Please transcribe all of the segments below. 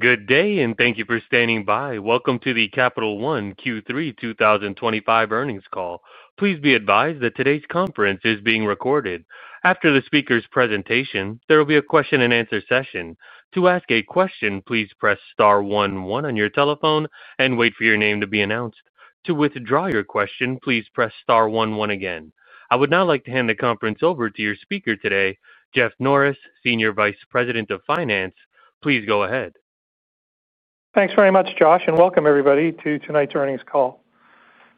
Good day, and thank you for standing by. Welcome to the Capital One Q3 2025 Earnings Call. Please be advised that today's conference is being recorded. After the speaker's presentation, there will be a question and answer session. To ask a question, please press *11 on your telephone and wait for your name to be announced. To withdraw your question, please press *11 again. I would now like to hand the conference over to your speaker today, Jeff Norris, Senior Vice President of Finance. Please go ahead. Thanks very much, Josh, and welcome, everybody, to tonight's earnings call.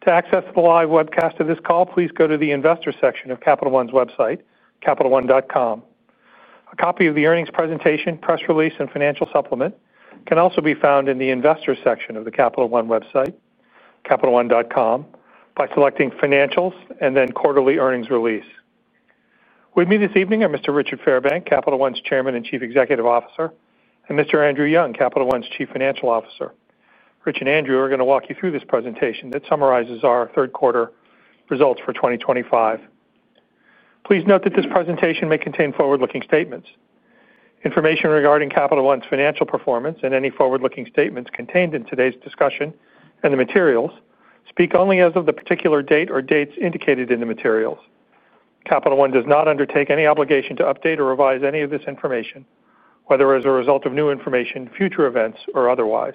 To access the live webcast of this call, please go to the Investors section of Capital One's website, capitalone.com. A copy of the earnings presentation, press release, and financial supplement can also be found in the Investors section of the Capital One website, capitalone.com, by selecting Financials and then Quarterly Earnings Release. With me this evening are Mr. Richard Fairbank, Capital One's Chairman and Chief Executive Officer, and Mr. Andrew Young, Capital One's Chief Financial Officer. Rich and Andrew are going to walk you through this presentation that summarizes our third quarter results for 2025. Please note that this presentation may contain forward-looking statements. Information regarding Capital One's financial performance and any forward-looking statements contained in today's discussion and the materials speak only as of the particular date or dates indicated in the materials. Capital One does not undertake any obligation to update or revise any of this information, whether as a result of new information, future events, or otherwise.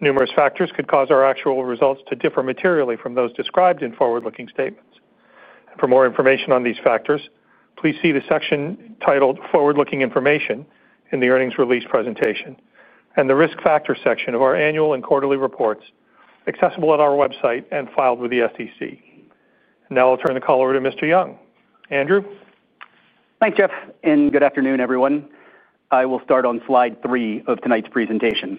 Numerous factors could cause our actual results to differ materially from those described in forward-looking statements. For more information on these factors, please see the section titled Forward-Looking Information in the Earnings Release Presentation and the Risk Factors section of our annual and quarterly reports, accessible at our website and filed with the SEC. Now I'll turn the call over to Mr. Young. Andrew? Thanks, Jeff, and good afternoon, everyone. I will start on slide three of tonight's presentation.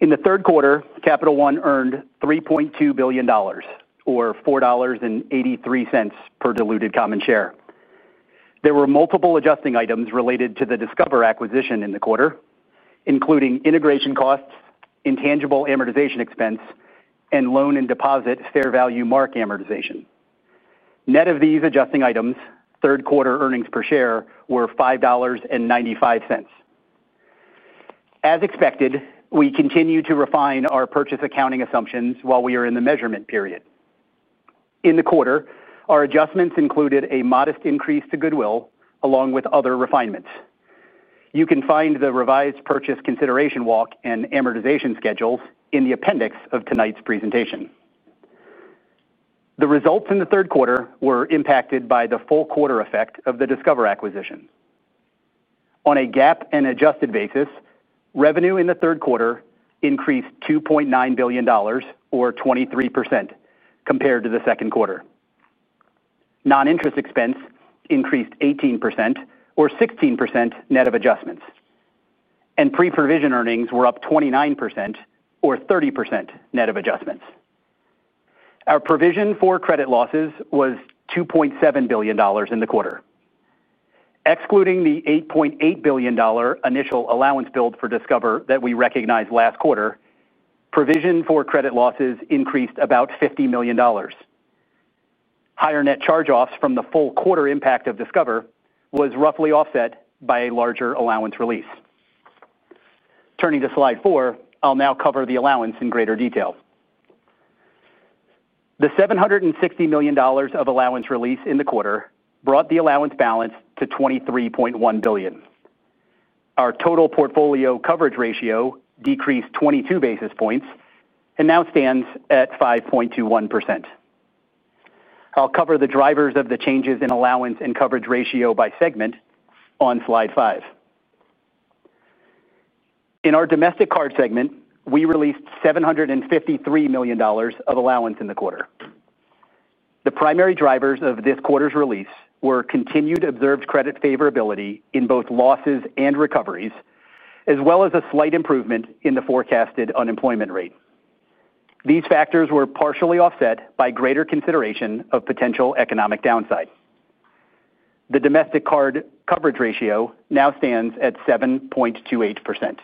In the third quarter, Capital One earned $3.2 billion, or $4.83 per diluted common share. There were multiple adjusting items related to the Discover acquisition in the quarter, including integration costs, intangible amortization expense, and loan and deposit fair value mark amortization. Net of these adjusting items, third quarter earnings per share were $5.95. As expected, we continue to refine our purchase accounting assumptions while we are in the measurement period. In the quarter, our adjustments included a modest increase to goodwill, along with other refinements. You can find the revised purchase consideration walk and amortization schedules in the appendix of tonight's presentation. The results in the third quarter were impacted by the full quarter effect of the Discover acquisition. On a GAAP and adjusted basis, revenue in the third quarter increased $2.9 billion, or 23%, compared to the second quarter. Non-interest expense increased 18%, or 16% net of adjustments. Pre-provision earnings were up 29%, or 30% net of adjustments. Our provision for credit losses was $2.7 billion in the quarter. Excluding the $8.8 billion initial allowance build for Discover that we recognized last quarter, provision for credit losses increased about $50 million. Higher net charge-offs from the full quarter impact of Discover were roughly offset by a larger allowance release. Turning to slide four, I'll now cover the allowance in greater detail. The $760 million of allowance release in the quarter brought the allowance balance to $23.1 billion. Our total portfolio coverage ratio decreased 22 basis points and now stands at 5.21%. I'll cover the drivers of the changes in allowance and coverage ratio by segment on slide five. In our domestic card segment, we released $753 million of allowance in the quarter. The primary drivers of this quarter's release were continued observed credit favorability in both losses and recoveries, as well as a slight improvement in the forecasted unemployment rate. These factors were partially offset by greater consideration of potential economic downside. The domestic card coverage ratio now stands at 7.28%.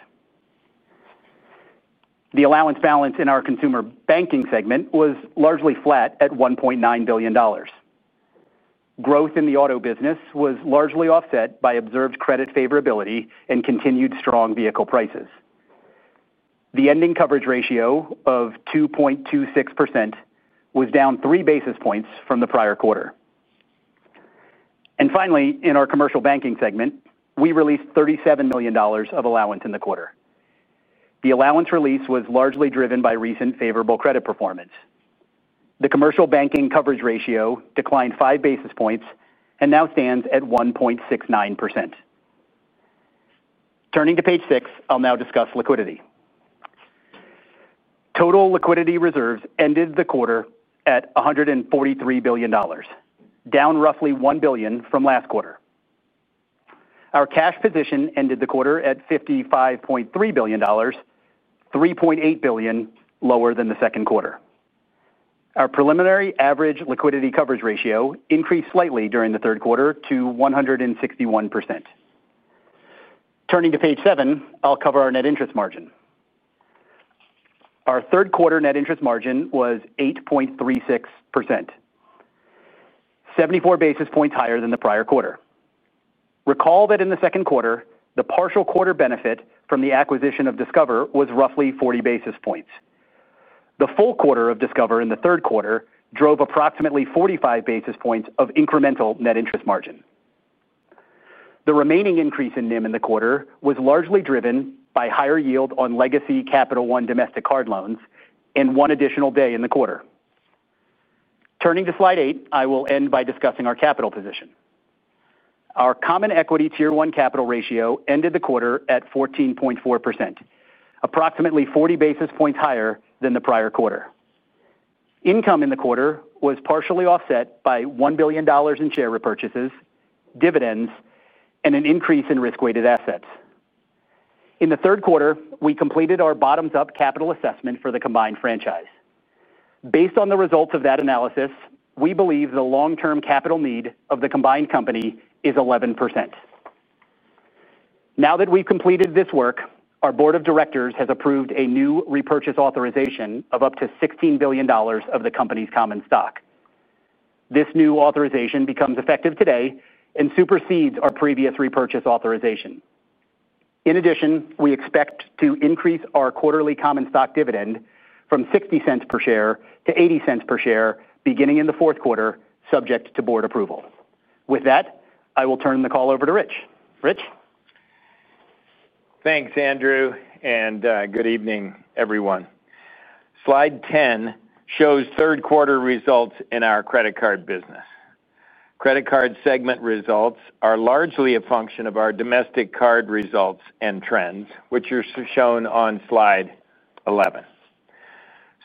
The allowance balance in our consumer banking segment was largely flat at $1.9 billion. Growth in the auto business was largely offset by observed credit favorability and continued strong vehicle prices. The ending coverage ratio of 2.26% was down three basis points from the prior quarter. Finally, in our commercial banking segment, we released $37 million of allowance in the quarter. The allowance release was largely driven by recent favorable credit performance. The commercial banking coverage ratio declined five basis points and now stands at 1.69%. Turning to page six, I'll now discuss liquidity. Total liquidity reserves ended the quarter at $143 billion, down roughly $1 billion from last quarter. Our cash position ended the quarter at $55.3 billion, $3.8 billion lower than the second quarter. Our preliminary average liquidity coverage ratio increased slightly during the third quarter to 161%. Turning to page seven, I'll cover our net interest margin. Our third quarter net interest margin was 8.36%, 74 basis points higher than the prior quarter. Recall that in the second quarter, the partial quarter benefit from the acquisition of Discover Financial Services was roughly 40 basis points. The full quarter of Discover Financial Services in the third quarter drove approximately 45 basis points of incremental net interest margin. The remaining increase in NIM in the quarter was largely driven by higher yield on legacy Capital One domestic card loans and one additional day in the quarter. Turning to slide eight, I will end by discussing our capital position. Our common equity tier one capital ratio ended the quarter at 14.4%, approximately 40 basis points higher than the prior quarter. Income in the quarter was partially offset by $1 billion in share repurchases, dividends, and an increase in risk-weighted assets. In the third quarter, we completed our bottoms-up capital assessment for the combined franchise. Based on the results of that analysis, we believe the long-term capital need of the combined company is 11%. Now that we've completed this work, our board of directors has approved a new repurchase authorization of up to $16 billion of the company's common stock. This new authorization becomes effective today and supersedes our previous repurchase authorization. In addition, we expect to increase our quarterly common stock dividend from $0.60 per share-$0.80 per share beginning in the fourth quarter, subject to board approval. With that, I will turn the call over to Rich. Rich? Thanks, Andrew, and good evening, everyone. Slide 10 shows third quarter results in our credit card business. Credit card segment results are largely a function of our domestic card results and trends, which are shown on slide 11.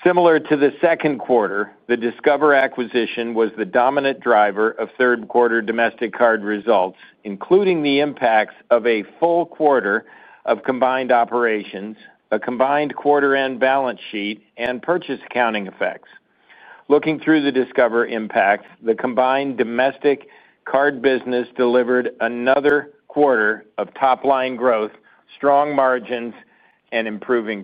Similar to the second quarter, the Discover acquisition was the dominant driver of third quarter domestic card results, including the impacts of a full quarter of combined operations, a combined quarter-end balance sheet, and purchase accounting effects. Looking through the Discover impact, the combined domestic card business delivered another quarter of top-line growth, strong margins, and improving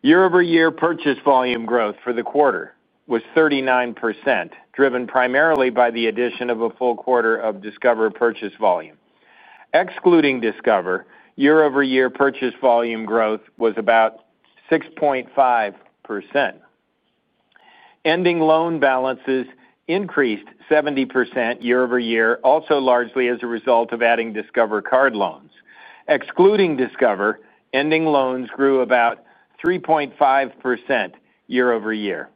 credit. Year-over-year purchase volume growth for the quarter was 39%, driven primarily by the addition of a full quarter of Discover purchase volume. Excluding Discover, year-over-year purchase volume growth was about 6.5%. Ending loan balances increased 70% year-over-year, also largely as a result of adding Discover card loans. Excluding Discover, ending loans grew about 3.5% year-over-year.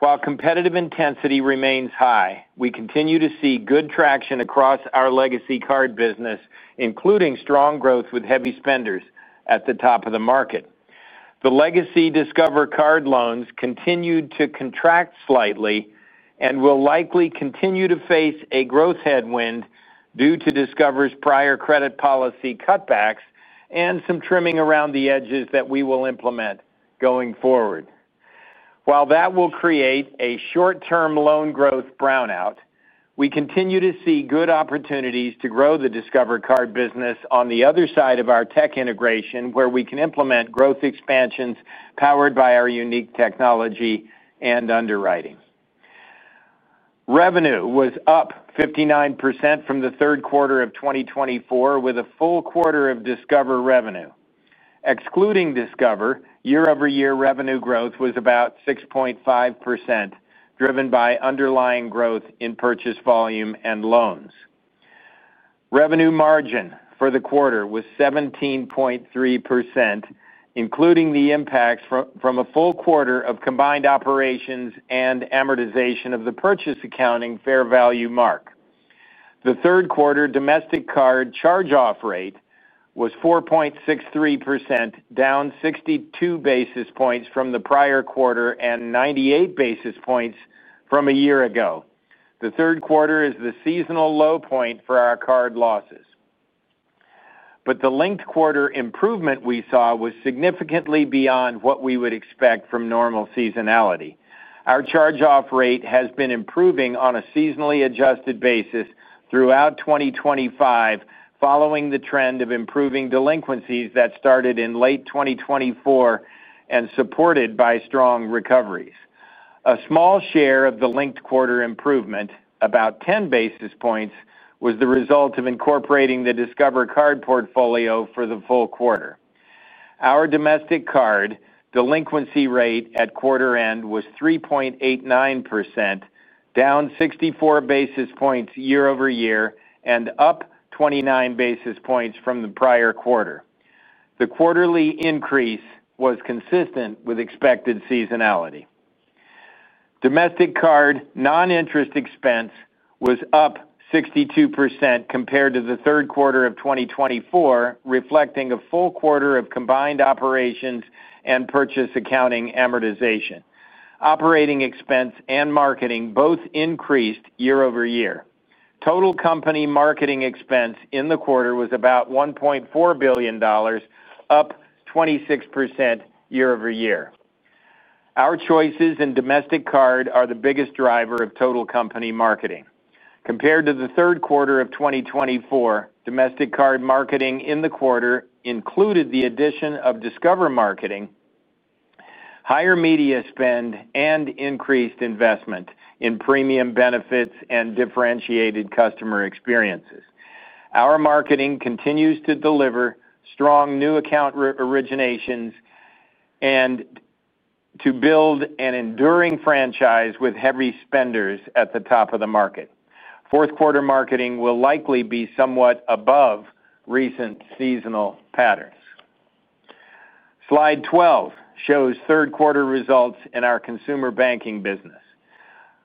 While competitive intensity remains high, we continue to see good traction across our legacy card business, including strong growth with heavy spenders at the top of the market. The legacy Discover card loans continued to contract slightly and will likely continue to face a growth headwind due to Discover's prior credit policy cutbacks and some trimming around the edges that we will implement going forward. That will create a short-term loan growth brownout. We continue to see good opportunities to grow the Discover card business on the other side of our tech integration, where we can implement growth expansions powered by our unique technology and underwriting. Revenue was up 59% from the third quarter of 2024, with a full quarter of Discover revenue. Excluding Discover, year-over-year revenue growth was about 6.5%, driven by underlying growth in purchase volume and loans. Revenue margin for the quarter was 17.3%, including the impacts from a full quarter of combined operations and amortization of the purchase accounting fair value mark. The third quarter domestic card charge-off rate was 4.63%, down 62 basis points from the prior quarter and 98 basis points from a year ago. The third quarter is the seasonal low point for our card losses. The linked quarter improvement we saw was significantly beyond what we would expect from normal seasonality. Our charge-off rate has been improving on a seasonally adjusted basis throughout 2025, following the trend of improving delinquencies that started in late 2024 and supported by strong recoveries. A small share of the linked quarter improvement, about 10 basis points, was the result of incorporating the Discover card portfolio for the full quarter. Our domestic card delinquency rate at quarter end was 3.89%, down 64 basis points year-over-year and up 29 basis points from the prior quarter. The quarterly increase was consistent with expected seasonality. Domestic card non-interest expense was up 62% compared to the third quarter of 2024, reflecting a full quarter of combined operations and purchase accounting amortization. Operating expense and marketing both increased year-over-year. Total company marketing expense in the quarter was about $1.4 billion, up 26% year-over-year. Our choices in domestic card are the biggest driver of total company marketing. Compared to the third quarter of 2024, domestic card marketing in the quarter included the addition of Discover marketing, higher media spend, and increased investment in premium benefits and differentiated customer experiences. Our marketing continues to deliver strong new account originations and to build an enduring franchise with heavy spenders at the top of the market. Fourth quarter marketing will likely be somewhat above recent seasonal patterns. Slide 12 shows third quarter results in our consumer banking business.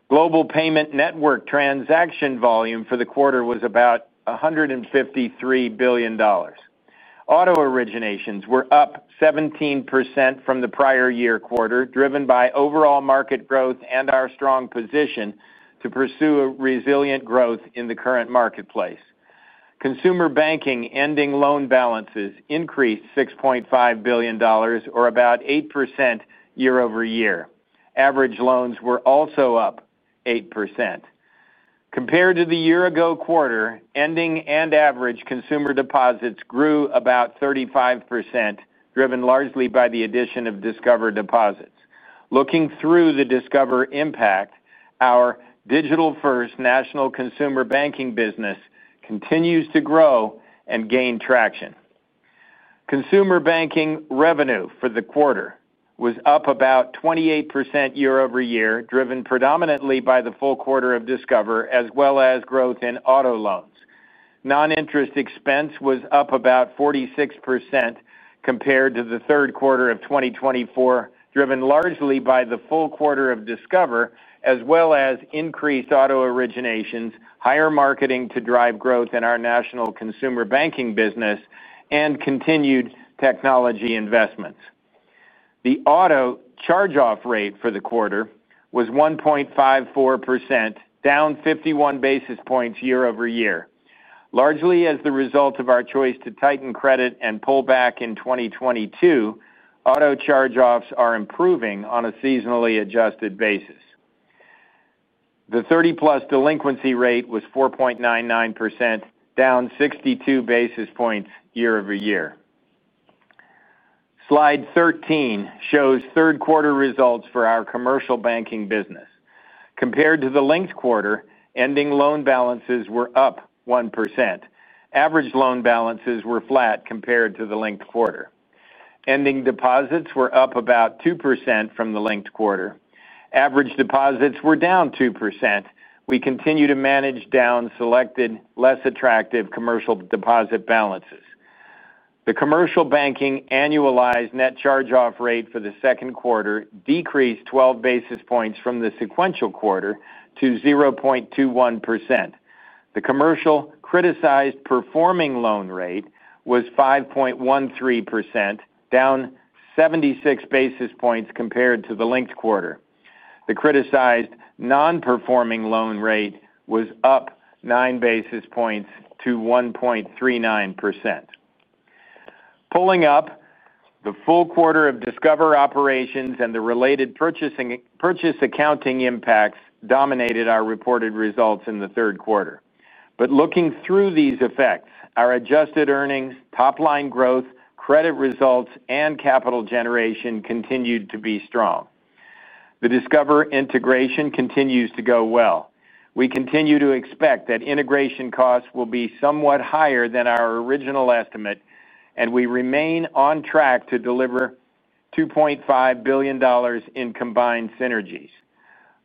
Global payment network transaction volume for the quarter was about $153 billion. Auto originations were up 17% from the prior year quarter, driven by overall market growth and our strong position to pursue resilient growth in the current marketplace. Consumer banking ending loan balances increased $6.5 billion, or about 8% year-over-year. Average loans were also up 8%. Compared to the year-ago quarter, ending and average consumer deposits grew about 35%, driven largely by the addition of Discover deposits. Looking through the Discover impact, our digital-first national consumer banking business continues to grow and gain traction. Consumer banking revenue for the quarter was up about 28% year-over-year, driven predominantly by the full quarter of Discover, as well as growth in auto loans. Non-interest expense was up about 46% compared to the third quarter of 2024, driven largely by the full quarter of Discover, as well as increased auto originations, higher marketing to drive growth in our national consumer banking business, and continued technology investments. The auto charge-off rate for the quarter was 1.54%, down 51 basis points year-over-year. Largely as the result of our choice to tighten credit and pull back in 2022, auto charge-offs are improving on a seasonally adjusted basis. The 30+ delinquency rate was 4.99%, down 62 basis points year-over-year. Slide 13 shows third quarter results for our commercial banking business. Compared to the linked quarter, ending loan balances were up 1%. Average loan balances were flat compared to the linked quarter. Ending deposits were up about 2% from the linked quarter. Average deposits were down 2%. We continue to manage down selected, less attractive commercial deposit balances. The commercial banking annualized net charge-off rate for the second quarter decreased 12 basis points from the sequential quarter to 0.21%. The commercial criticized performing loan rate was 5.13%, down 76 basis points compared to the linked quarter. The criticized non-performing loan rate was up 9 basis points to 1.39%. Pulling up the full quarter of Discover operations and the related purchase accounting impacts dominated our reported results in the third quarter. Looking through these effects, our adjusted earnings, top-line growth, credit results, and capital generation continued to be strong. The Discover integration continues to go well. We continue to expect that integration costs will be somewhat higher than our original estimate, and we remain on track to deliver $2.5 billion in combined synergies.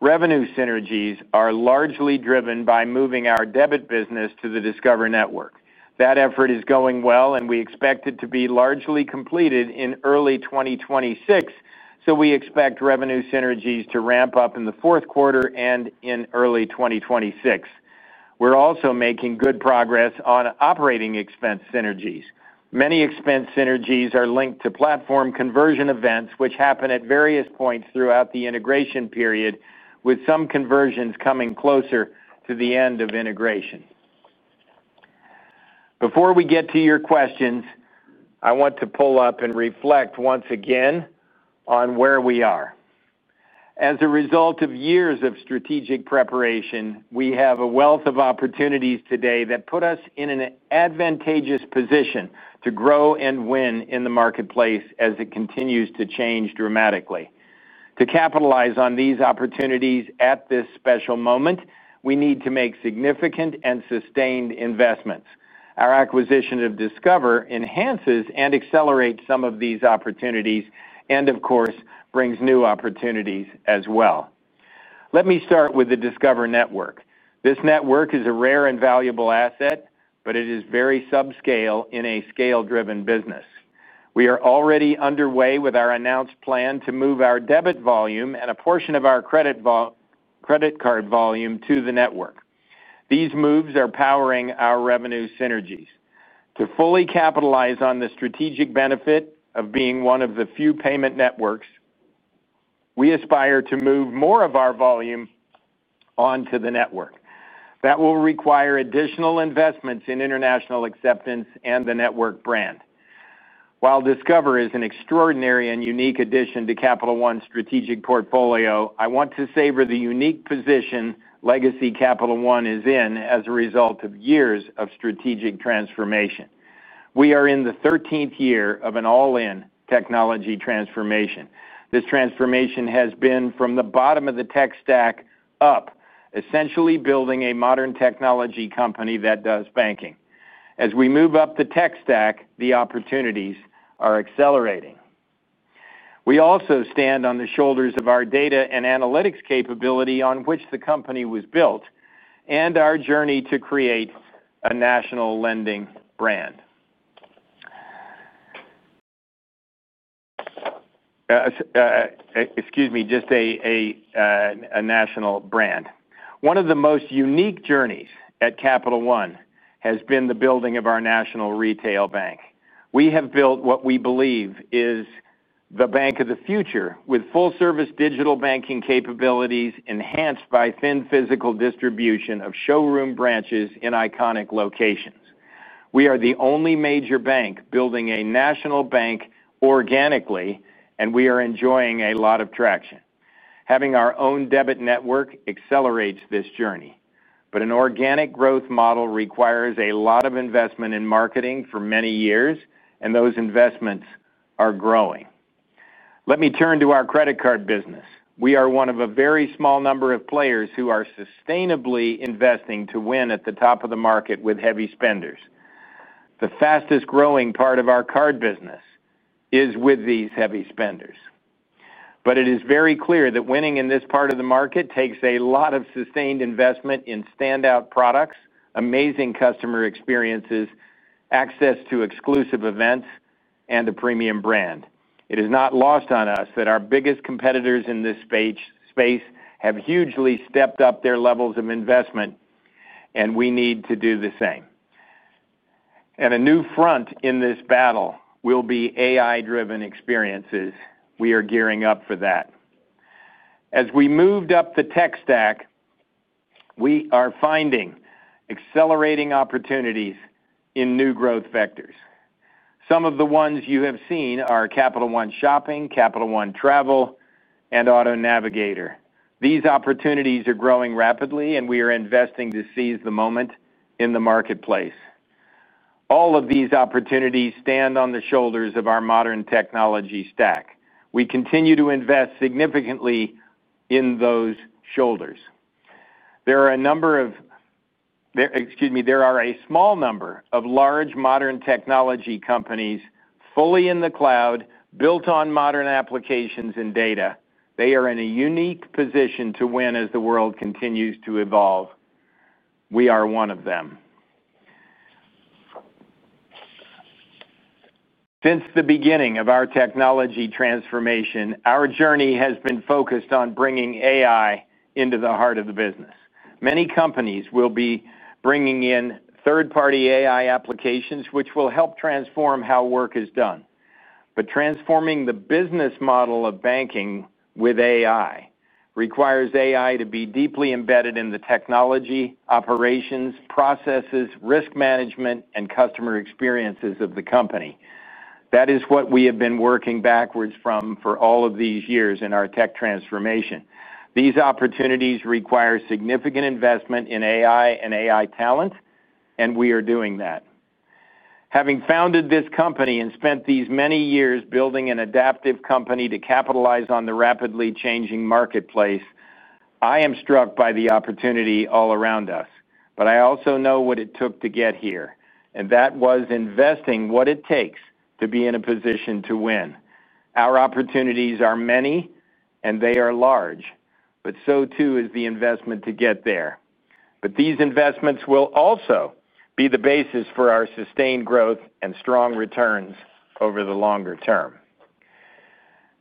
Revenue synergies are largely driven by moving our debit business to the Discover network. That effort is going well, and we expect it to be largely completed in early 2026. We expect revenue synergies to ramp up in the fourth quarter and in early 2026. We're also making good progress on operating expense synergies. Many expense synergies are linked to platform conversion events, which happen at various points throughout the integration period, with some conversions coming closer to the end of integration. Before we get to your questions, I want to pull up and reflect once again on where we are. As a result of years of strategic preparation, we have a wealth of opportunities today that put us in an advantageous position to grow and win in the marketplace as it continues to change dramatically. To capitalize on these opportunities at this special moment, we need to make significant and sustained investments. Our acquisition of Discover Financial Services enhances and accelerates some of these opportunities and, of course, brings new opportunities as well. Let me start with the Discover Network. This network is a rare and valuable asset, but it is very subscale in a scale-driven business. We are already underway with our announced plan to move our debit volume and a portion of our credit card volume to the network. These moves are powering our revenue synergies. To fully capitalize on the strategic benefit of being one of the few payment networks, we aspire to move more of our volume onto the network. That will require additional investments in international acceptance and the network brand. While Discover Financial Services is an extraordinary and unique addition to Capital One's strategic portfolio, I want to savor the unique position legacy Capital One is in as a result of years of strategic transformation. We are in the 13th year of an all-in technology transformation. This transformation has been from the bottom of the tech stack up, essentially building a modern technology company that does banking. As we move up the tech stack, the opportunities are accelerating. We also stand on the shoulders of our data and analytics capability on which the company was built and our journey to create a national lending brand. Excuse me, just a national brand. One of the most unique journeys at Capital One has been the building of our national retail bank. We have built what we believe is the bank of the future, with full-service digital banking capabilities enhanced by thin physical distribution of showroom branches in iconic locations. We are the only major bank building a national bank organically, and we are enjoying a lot of traction. Having our own debit network accelerates this journey, but an organic growth model requires a lot of investment in marketing for many years, and those investments are growing. Let me turn to our credit card business. We are one of a very small number of players who are sustainably investing to win at the top of the market with heavy spenders. The fastest growing part of our card business is with these heavy spenders. It is very clear that winning in this part of the market takes a lot of sustained investment in standout products, amazing customer experiences, access to exclusive events, and a premium brand. It is not lost on us that our biggest competitors in this space have hugely stepped up their levels of investment, and we need to do the same. A new front in this battle will be AI-driven experiences. We are gearing up for that. As we moved up the tech stack, we are finding accelerating opportunities in new growth vectors. Some of the ones you have seen are Capital One Shopping, Capital One Travel, and Auto Navigator. These opportunities are growing rapidly, and we are investing to seize the moment in the marketplace. All of these opportunities stand on the shoulders of our modern technology stack. We continue to invest significantly in those shoulders. There are a small number of large modern technology companies fully in the cloud, built on modern applications and data. They are in a unique position to win as the world continues to evolve. We are one of them. Since the beginning of our technology transformation, our journey has been focused on bringing AI into the heart of the business. Many companies will be bringing in third-party AI applications, which will help transform how work is done. Transforming the business model of banking with AI requires AI to be deeply embedded in the technology, operations, processes, risk management, and customer experiences of the company. That is what we have been working backwards from for all of these years in our tech transformation. These opportunities require significant investment in AI and AI talent, and we are doing that. Having founded this company and spent these many years building an adaptive company to capitalize on the rapidly changing marketplace, I am struck by the opportunity all around us. I also know what it took to get here, and that was investing what it takes to be in a position to win. Our opportunities are many, and they are large, but so too is the investment to get there. These investments will also be the basis for our sustained growth and strong returns over the longer term.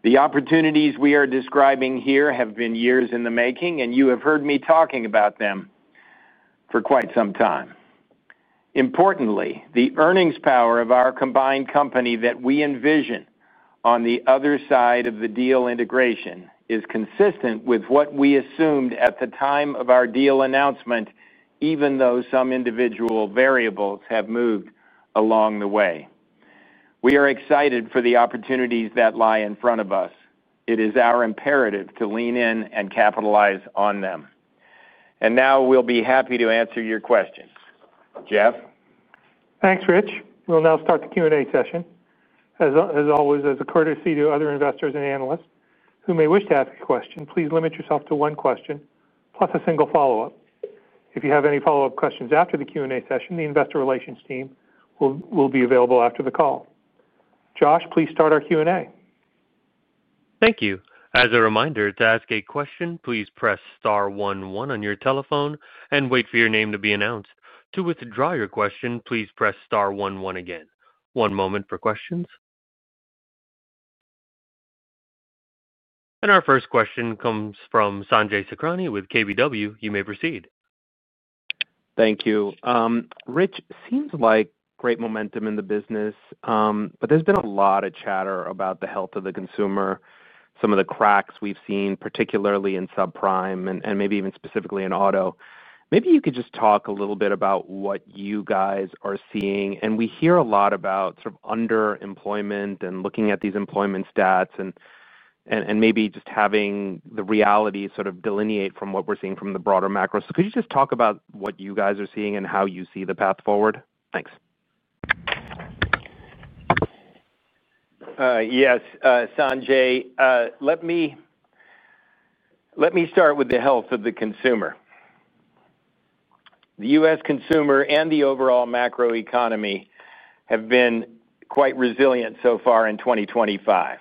The opportunities we are describing here have been years in the making, and you have heard me talking about them for quite some time. Importantly, the earnings power of our combined company that we envision on the other side of the deal integration is consistent with what we assumed at the time of our deal announcement, even though some individual variables have moved along the way. We are excited for the opportunities that lie in front of us. It is our imperative to lean in and capitalize on them. We will be happy to answer your questions. Jeff? Thanks, Rich. We'll now start the Q&A session. As always, as a courtesy to other investors and analysts who may wish to ask a question, please limit yourself to one question plus a single follow-up. If you have any follow-up questions after the Q&A session, the investor relations team will be available after the call. Josh, please start our Q&A. Thank you. As a reminder, to ask a question, please press star 11 on your telephone and wait for your name to be announced. To withdraw your question, please press star 11 again. One moment for questions. Our first question comes from Sanjay Harkishin Sakhrani with Keefe, Bruyette & Woods. You may proceed. Thank you. Rich, it seems like great momentum in the business, but there's been a lot of chatter about the health of the consumer, some of the cracks we've seen, particularly in subprime and maybe even specifically in auto. Maybe you could just talk a little bit about what you guys are seeing. We hear a lot about sort of underemployment and looking at these employment stats and maybe just having the reality sort of delineate from what we're seeing from the broader macro. Could you just talk about what you guys are seeing and how you see the path forward? Thanks. Yes, Sanjay. Let me start with the health of the consumer. The U.S. consumer and the overall macro-economic outlook have been quite resilient so far in 2025.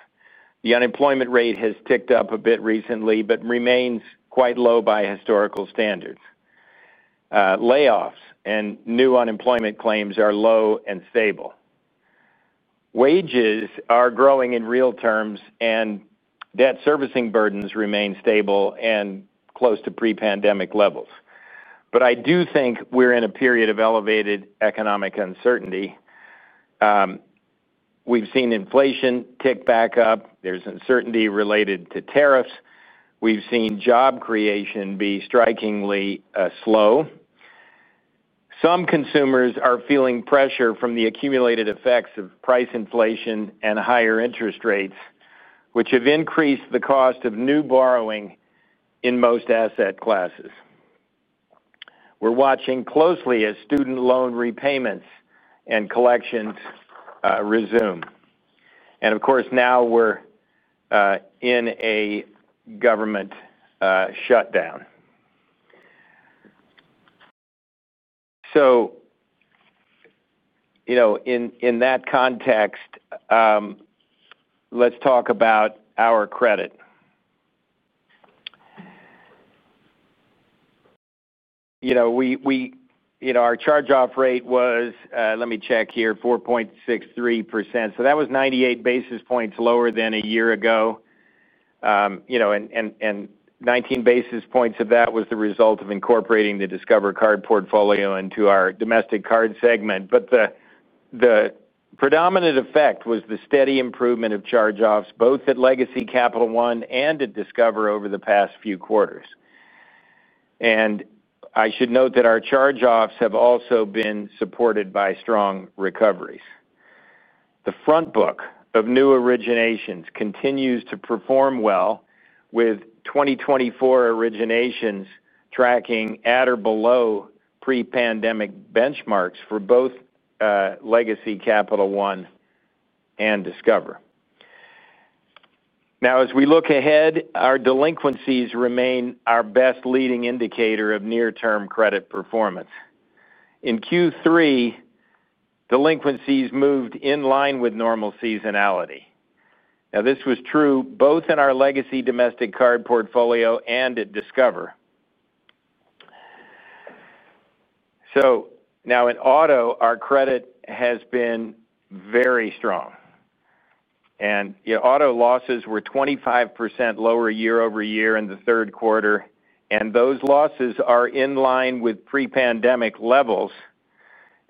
The unemployment rate has ticked up a bit recently, but remains quite low by historical standards. Layoffs and new unemployment claims are low and stable. Wages are growing in real terms, and debt servicing burdens remain stable and close to pre-pandemic levels. I do think we're in a period of elevated economic uncertainty. We've seen inflation tick back up. There's uncertainty related to tariffs. We've seen job creation be strikingly slow. Some consumers are feeling pressure from the accumulated effects of price inflation and higher interest rates, which have increased the cost of new borrowing in most asset classes. We're watching closely as student loan repayments and collections resume. Of course, now we're in a government shutdown. In that context, let's talk about our credit. Our charge-off rate was, let me check here, 4.63%. That was 98 basis points lower than a year ago. Nineteen basis points of that was the result of incorporating the Discover credit cards portfolio into our domestic card segment. The predominant effect was the steady improvement of charge-offs, both at legacy Capital One and at Discover Financial Services over the past few quarters. I should note that our charge-offs have also been supported by strong recoveries. The front book of new originations continues to perform well, with 2024 originations tracking at or below pre-pandemic benchmarks for both legacy Capital One and Discover Financial Services. As we look ahead, our delinquencies remain our best leading indicator of near-term credit performance. In Q3, delinquencies moved in line with normal seasonality. This was true both in our legacy domestic card portfolio and at Discover Financial Services. In auto, our credit has been very strong. Auto losses were 25% lower year-over-year in the third quarter, and those losses are in line with pre-pandemic levels.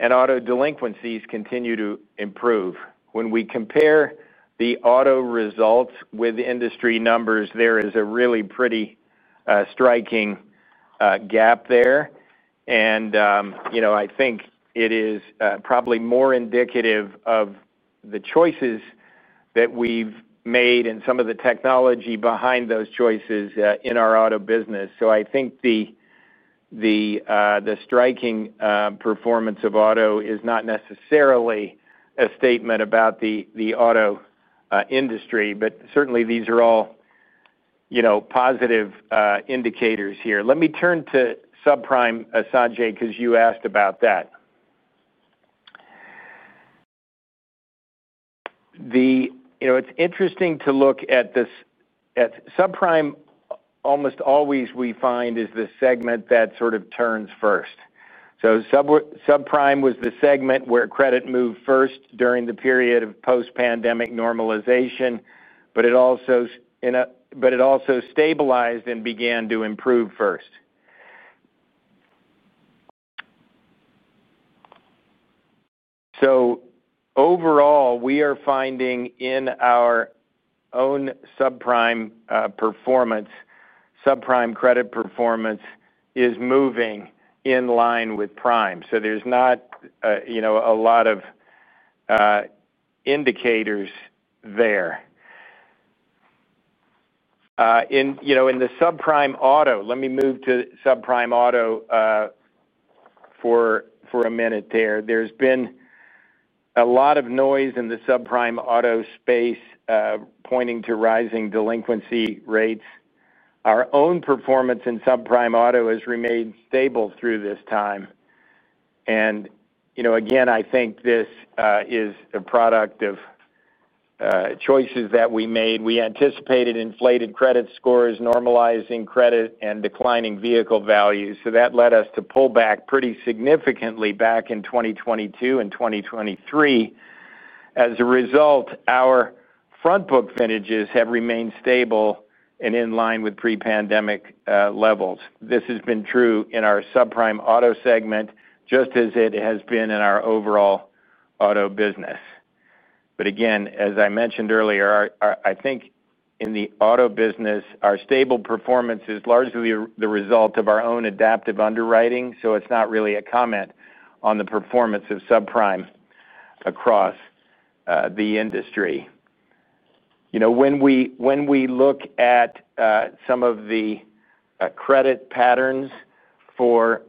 Auto delinquencies continue to improve. When we compare the auto results with industry numbers, there is a really pretty striking gap there. I think it is probably more indicative of the choices that we've made and some of the technology behind those choices in our auto business. I think the striking performance of auto is not necessarily a statement about the auto industry, but certainly these are all positive indicators here. Let me turn to subprime, Sanjay, because you asked about that. It's interesting to look at this. At subprime, almost always we find is the segment that sort of turns first. Subprime was the segment where credit moved first during the period of post-pandemic normalization, but it also stabilized and began to improve first. Overall, we are finding in our own subprime performance, subprime credit performance is moving in line with prime. There's not a lot of indicators there. In the subprime auto, let me move to subprime auto for a minute. There's been a lot of noise in the subprime auto space pointing to rising delinquency rates. Our own performance in subprime auto has remained stable through this time. I think this is a product of choices that we made. We anticipated inflated credit scores, normalizing credit, and declining vehicle values. That led us to pull back pretty significantly back in 2022 and 2023. As a result, our front book finishes have remained stable and in line with pre-pandemic levels. This has been true in our subprime auto segment, just as it has been in our overall auto business. I mentioned earlier, I think in the auto business, our stable performance is largely the result of our own adaptive underwriting. It's not really a comment on the performance of subprime across the industry. When we look at some of the credit patterns for,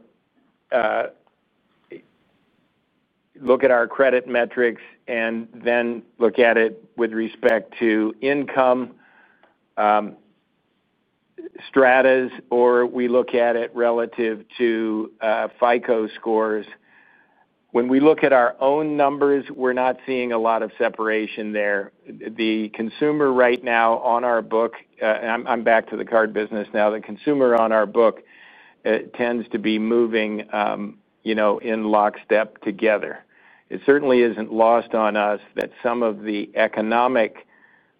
look at our credit metrics and then look at it with respect to income stratas, or we look at it relative to FICO scores. When we look at our own numbers, we're not seeing a lot of separation there. The consumer right now on our book, and I'm back to the card business now, the consumer on our book tends to be moving in lockstep together. It certainly isn't lost on us that some of the economic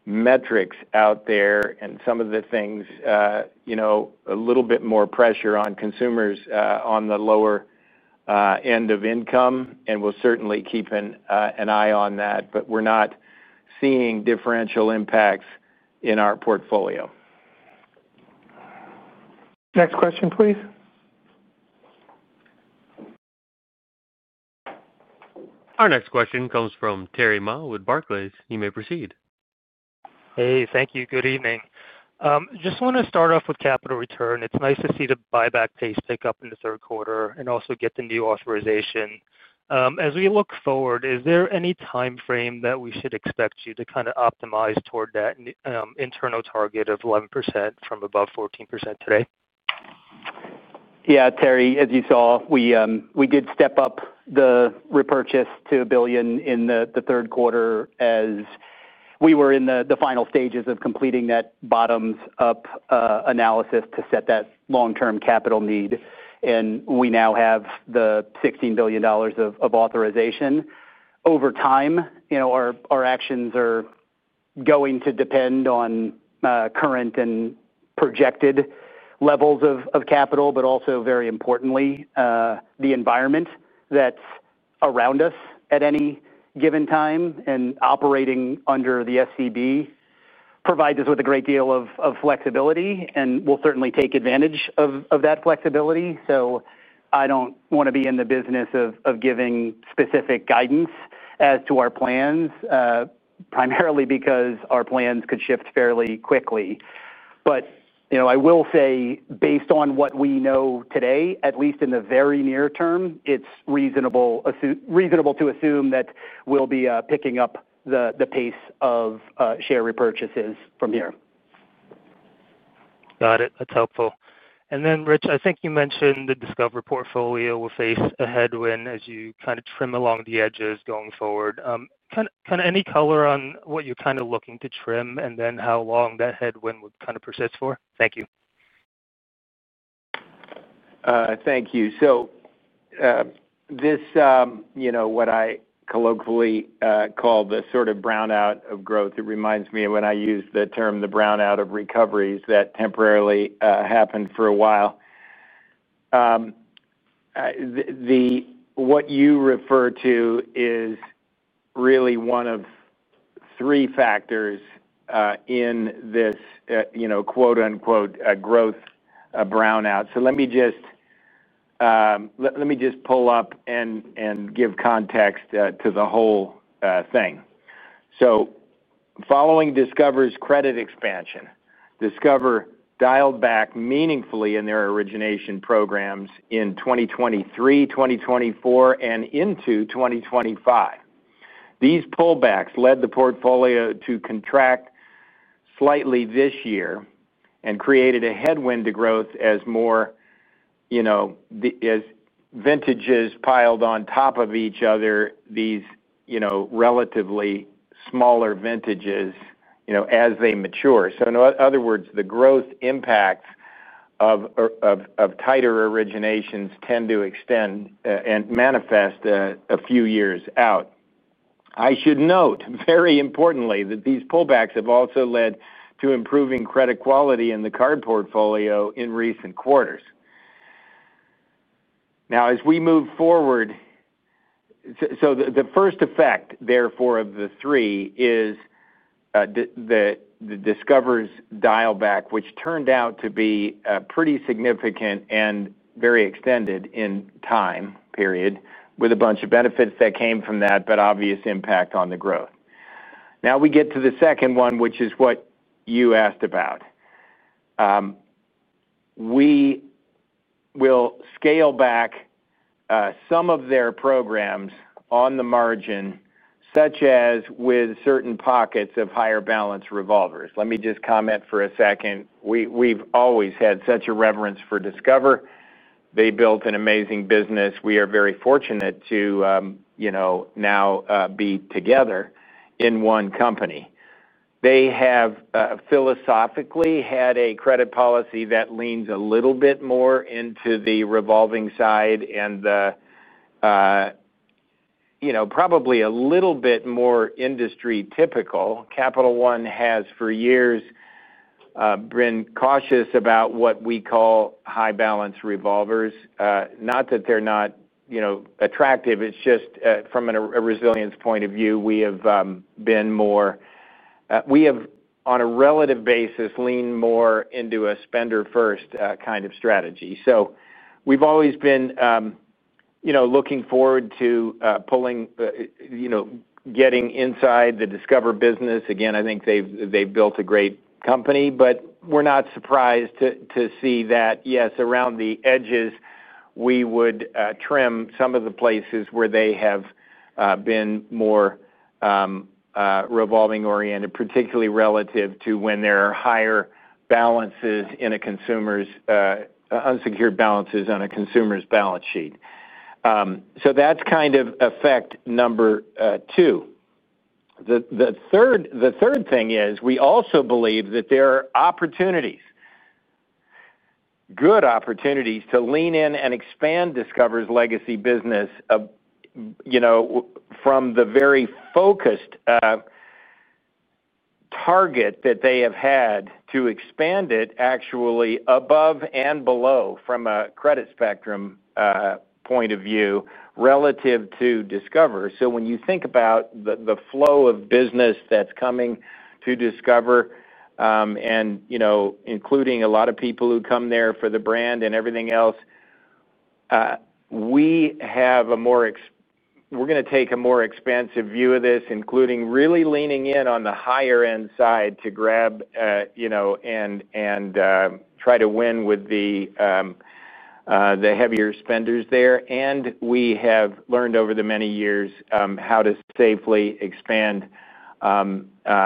metrics out there and some of the things, a little bit more pressure on consumers on the lower end of income. We'll certainly keep an eye on that, but we're not seeing differential impacts in our portfolio. Next question, please. Our next question comes from Terry Ma with Barclays. You may proceed. Thank you. Good evening. I just want to start off with capital return. It's nice to see the buyback pace pick up in the third quarter and also get the new authorization. As we look forward, is there any timeframe that we should expect you to kind of optimize toward that internal target of 11% from above 14% today? Yeah, Terry, as you saw, we did step up the repurchase to $1 billion in the third quarter as we were in the final stages of completing that bottoms-up analysis to set that long-term capital need. We now have the $16 billion of authorization. Over time, our actions are going to depend on current and projected levels of capital, but also, very importantly, the environment that's around us at any given time. Operating under the SEB provides us with a great deal of flexibility, and we'll certainly take advantage of that flexibility. I don't want to be in the business of giving specific guidance as to our plans, primarily because our plans could shift fairly quickly. I will say, based on what we know today, at least in the very near term, it's reasonable to assume that we'll be picking up the pace of share repurchases from here. Got it. That's helpful. Rich, I think you mentioned the Discover portfolio will face a headwind as you kind of trim along the edges going forward. Any color on what you're kind of looking to trim and how long that headwind would kind of persist for? Thank you. Thank you. This, you know, what I colloquially call the sort of brownout of growth, reminds me of when I used the term the brownout of recoveries that temporarily happened for a while. What you refer to is really one of three factors in this, you know, "growth brownout." Let me just pull up and give context to the whole thing. Following Discover Financial Services' credit expansion, Discover dialed back meaningfully in their origination programs in 2023, 2024, and into 2025. These pullbacks led the portfolio to contract slightly this year and created a headwind to growth as more, you know, as vintages piled on top of each other, these relatively smaller vintages, you know, as they mature. In other words, the growth impacts of tighter originations tend to extend and manifest a few years out. I should note, very importantly, that these pullbacks have also led to improving credit quality in the card portfolio in recent quarters. As we move forward, the first effect, therefore, of the three is Discover's dial-back, which turned out to be pretty significant and very extended in time period, with a bunch of benefits that came from that, but obvious impact on the growth. Now we get to the second one, which is what you asked about. We will scale back some of their programs on the margin, such as with certain pockets of higher balance revolvers. Let me just comment for a second. We've always had such a reverence for Discover. They built an amazing business. We are very fortunate to, you know, now be together in one company. They have philosophically had a credit policy that leans a little bit more into the revolving side and the, you know, probably a little bit more industry-typical. Capital One has for years been cautious about what we call high-balance revolvers. Not that they're not, you know, attractive. It's just from a resilience point of view, we have been more, we have, on a relative basis, leaned more into a spender-first kind of strategy. We've always been, you know, looking forward to pulling, you know, getting inside the Discover business. Again, I think they've built a great company, but we're not surprised to see that, yes, around the edges, we would trim some of the places where they have been more revolving-oriented, particularly relative to when there are higher balances in a consumer's unsecured balances on a consumer's balance sheet. That's kind of effect number two. The third thing is we also believe that there are opportunities, good opportunities to lean in and expand Discover's legacy business, you know, from the very focused target that they have had to expand it actually above and below from a credit spectrum point of view relative to Discover. When you think about the flow of business that's coming to Discover, including a lot of people who come there for the brand and everything else, we have a more, we're going to take a more expansive view of this, including really leaning in on the higher-end side to grab, you know, and try to win with the heavier spenders there. We have learned over the many years how to safely expand into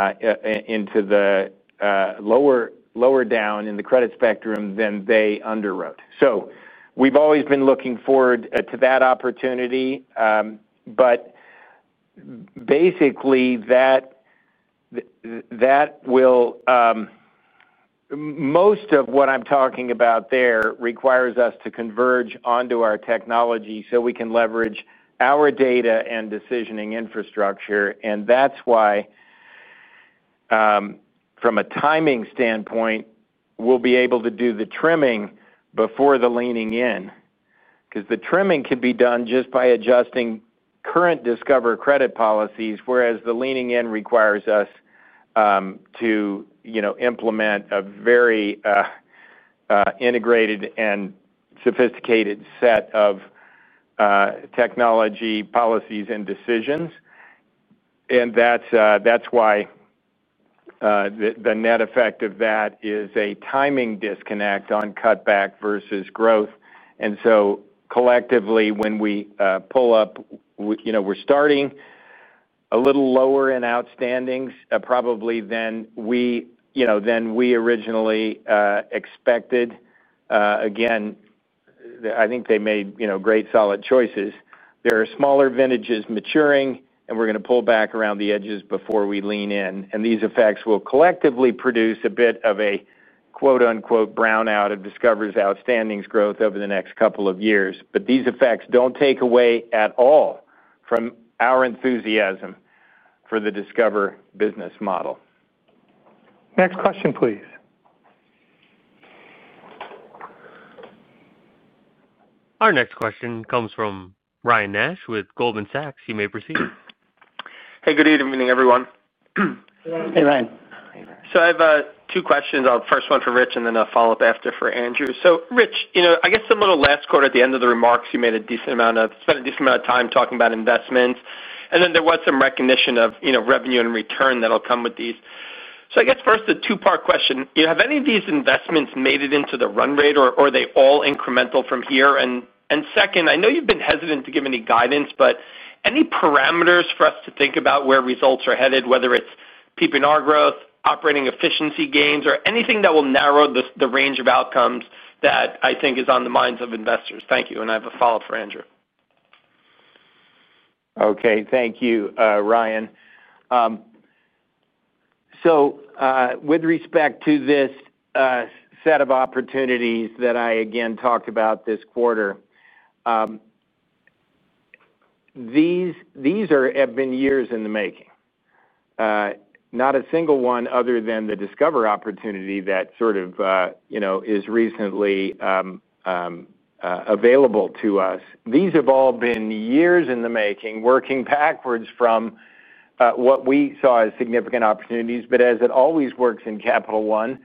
the lower down in the credit spectrum than they underwrote. We've always been looking forward to that opportunity. Basically, that will, most of what I'm talking about there requires us to converge onto our technology so we can leverage our data and decisioning infrastructure. That's why, from a timing standpoint, we'll be able to do the trimming before the leaning in, because the trimming can be done just by adjusting current Discover credit policies, whereas the leaning in requires us to implement a very integrated and sophisticated set of technology policies and decisions. That's why the net effect of that is a timing disconnect on cutback versus growth. Collectively, when we pull up, we're starting a little lower in outstandings probably than we, you know, than we originally expected. I think they made, you know, great solid choices. There are smaller vintages maturing, and we're going to pull back around the edges before we lean in. These effects will collectively produce a bit of a quote-unquote "brownout" of Discover's outstandings growth over the next couple of years. These effects don't take away at all from our enthusiasm for the Discover business model. Next question, please. Our next question comes from Ryan Nash with Goldman Sachs. You may proceed. Hey, good evening, everyone. Hey, Ryan. I have two questions. The first one for Rich and then a follow-up after for Andrew. Rich, I guess last quarter at the end of the remarks, you spent a decent amount of time talking about investments. There was some recognition of revenue and return that'll come with these. First, a two-part question. Have any of these investments made it into the run rate, or are they all incremental from here? Second, I know you've been hesitant to give any guidance, but any parameters for us to think about where results are headed, whether it's PP&R growth, operating efficiency gains, or anything that will narrow the range of outcomes that I think is on the minds of investors? Thank you. I have a follow-up for Andrew. Okay, thank you, Ryan. With respect to this set of opportunities that I again talked about this quarter, these have been years in the making. Not a single one other than the Discover opportunity that is recently available to us. These have all been years in the making, working backwards from what we saw as significant opportunities. As it always works in Capital One,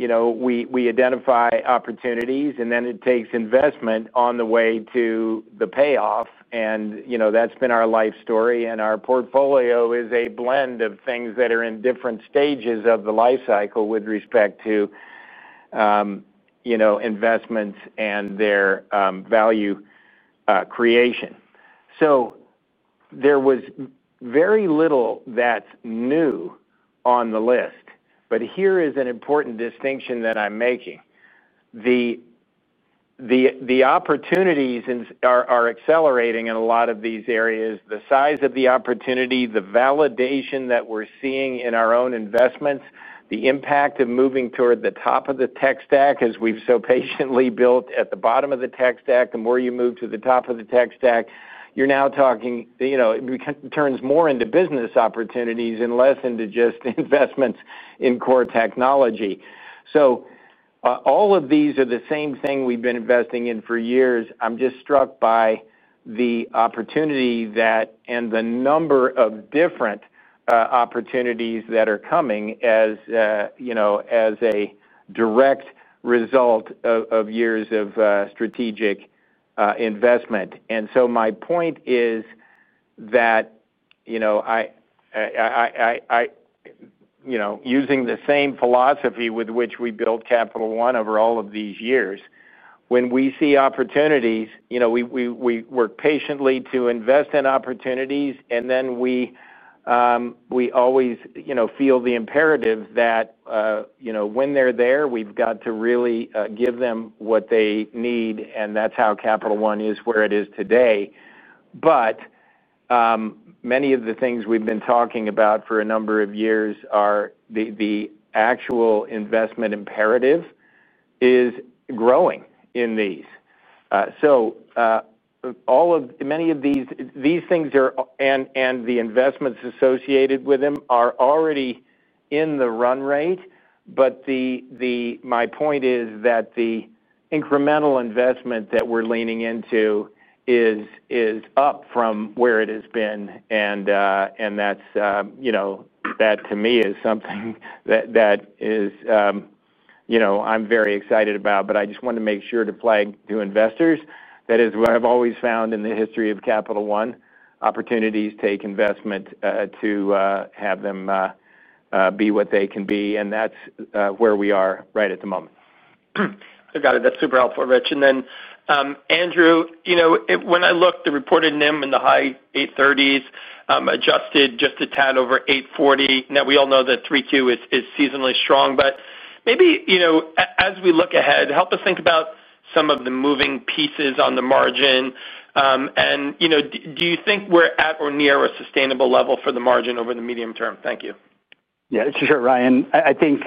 we identify opportunities, and then it takes investment on the way to the payoff. That's been our life story. Our portfolio is a blend of things that are in different stages of the life cycle with respect to investments and their value creation. There was very little that's new on the list. Here is an important distinction that I'm making. The opportunities are accelerating in a lot of these areas. The size of the opportunity, the validation that we're seeing in our own investments, the impact of moving toward the top of the tech stack, as we've so patiently built at the bottom of the tech stack. The more you move to the top of the tech stack, you're now talking, it turns more into business opportunities and less into just investments in core technology. All of these are the same thing we've been investing in for years. I'm just struck by the opportunity and the number of different opportunities that are coming as a direct result of years of strategic investment. My point is that, using the same philosophy with which we built Capital One over all of these years, when we see opportunities, we work patiently to invest in opportunities. We always feel the imperative that, when they're there, we've got to really give them what they need. That's how Capital One is where it is today. Many of the things we've been talking about for a number of years, the actual investment imperative is growing in these. Many of these things are, and the investments associated with them are already in the run rate. My point is that the incremental investment that we're leaning into is up from where it has been. That to me is something that is, I'm very excited about. I just want to make sure to flag to investors that is what I've always found in the history of Capital One. Opportunities take investment to have them be what they can be. That's where we are right at the moment. I got it. That's super helpful, Rich. Andrew, you know, when I looked, the reported NIM in the high 830s adjusted just a tad over 840. We all know that 32 is seasonally strong. Maybe, as we look ahead, help us think about some of the moving pieces on the margin. Do you think we're at or near a sustainable level for the margin over the medium term? Thank you. Yeah, sure, Ryan. I think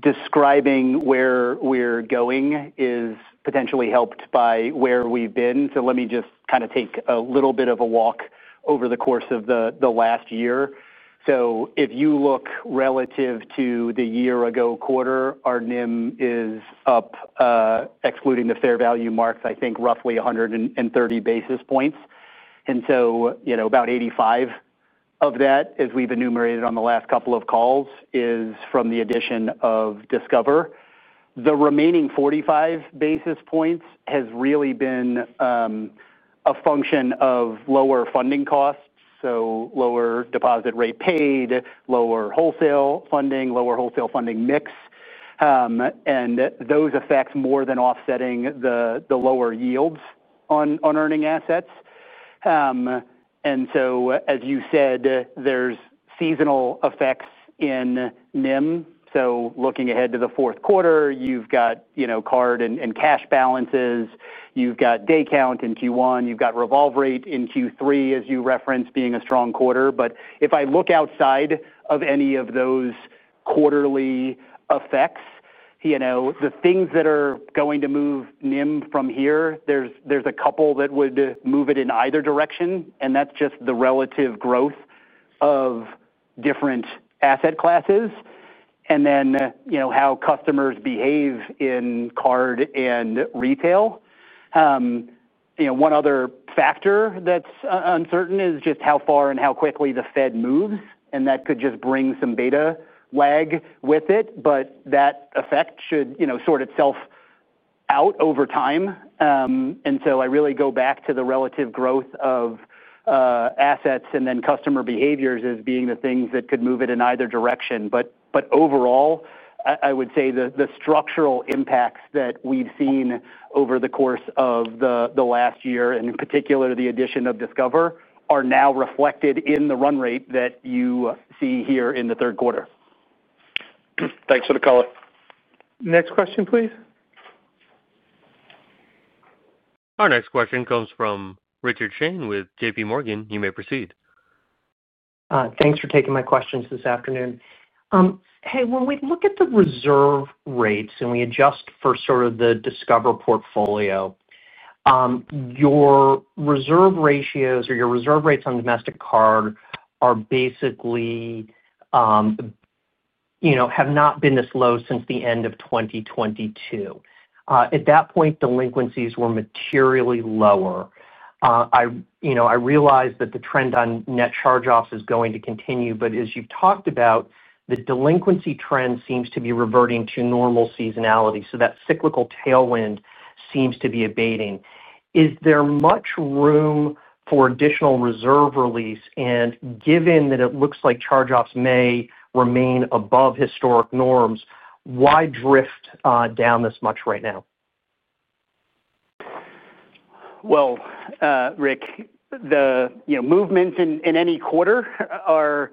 describing where we're going is potentially helped by where we've been. Let me just kind of take a little bit of a walk over the course of the last year. If you look relative to the year-ago quarter, our NIM is up, excluding the fair value marks, I think roughly 130 basis points. About 85 of that, as we've enumerated on the last couple of calls, is from the addition of Discover. The remaining 45 basis points have really been a function of lower funding costs, so lower deposit rate paid, lower wholesale funding, lower wholesale funding mix. Those effects more than offset the lower yields on earning assets. As you said, there are seasonal effects in NIM. Looking ahead to the fourth quarter, you've got card and cash balances. You've got day count in Q1. You've got revolve rate in Q3, as you referenced, being a strong quarter. If I look outside of any of those quarterly effects, the things that are going to move NIM from here, there's a couple that would move it in either direction. That's just the relative growth of different asset classes. Then, how customers behave in card and retail. One other factor that's uncertain is just how far and how quickly the Fed moves. That could just bring some beta lag with it. That effect should sort itself out over time. I really go back to the relative growth of assets and then customer behaviors as being the things that could move it in either direction. Overall, I would say the structural impacts that we've seen over the course of the last year, and in particular the addition of Discover, are now reflected in the run rate that you see here in the third quarter. Thanks for the color. Next question, please. Our next question comes from Richard Shane with J.P. Morgan. You may proceed. Thanks for taking my questions this afternoon. Hey, when we look at the reserve rates and we adjust for sort of the Discover portfolio, your reserve ratios or your reserve rates on domestic card are basically, you know, have not been this low since the end of 2022. At that point, delinquencies were materially lower. I realize that the trend on net charge-offs is going to continue. As you've talked about, the delinquency trend seems to be reverting to normal seasonality. That cyclical tailwind seems to be abating. Is there much room for additional reserve release? Given that it looks like charge-offs may remain above historic norms, why drift down this much right now? Rick, the movements in any quarter are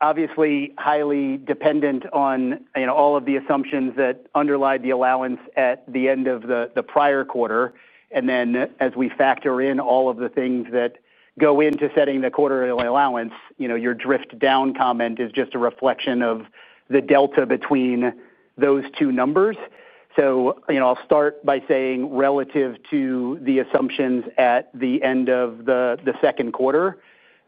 obviously highly dependent on all of the assumptions that underlie the allowance at the end of the prior quarter. As we factor in all of the things that go into setting the quarterly allowance, your drift down comment is just a reflection of the delta between those two numbers. I'll start by saying relative to the assumptions at the end of the second quarter,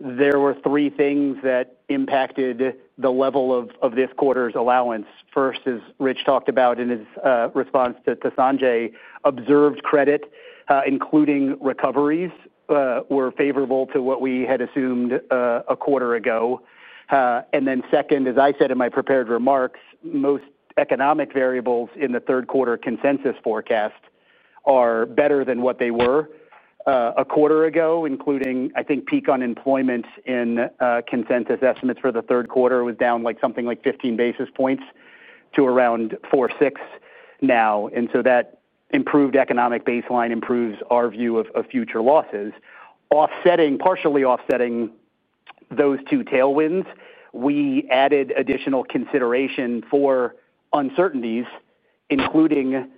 there were three things that impacted the level of this quarter's allowance. First, as Rich talked about in his response to Sanjay, observed credit, including recoveries, were favorable to what we had assumed a quarter ago. Second, as I said in my prepared remarks, most economic variables in the third quarter consensus forecast are better than what they were a quarter ago, including, I think, peak unemployment in consensus estimates for the third quarter was down like something like 15 basis points to around 4.6% now. That improved economic baseline improves our view of future losses. Partially offsetting those two tailwinds, we added additional consideration for uncertainties, including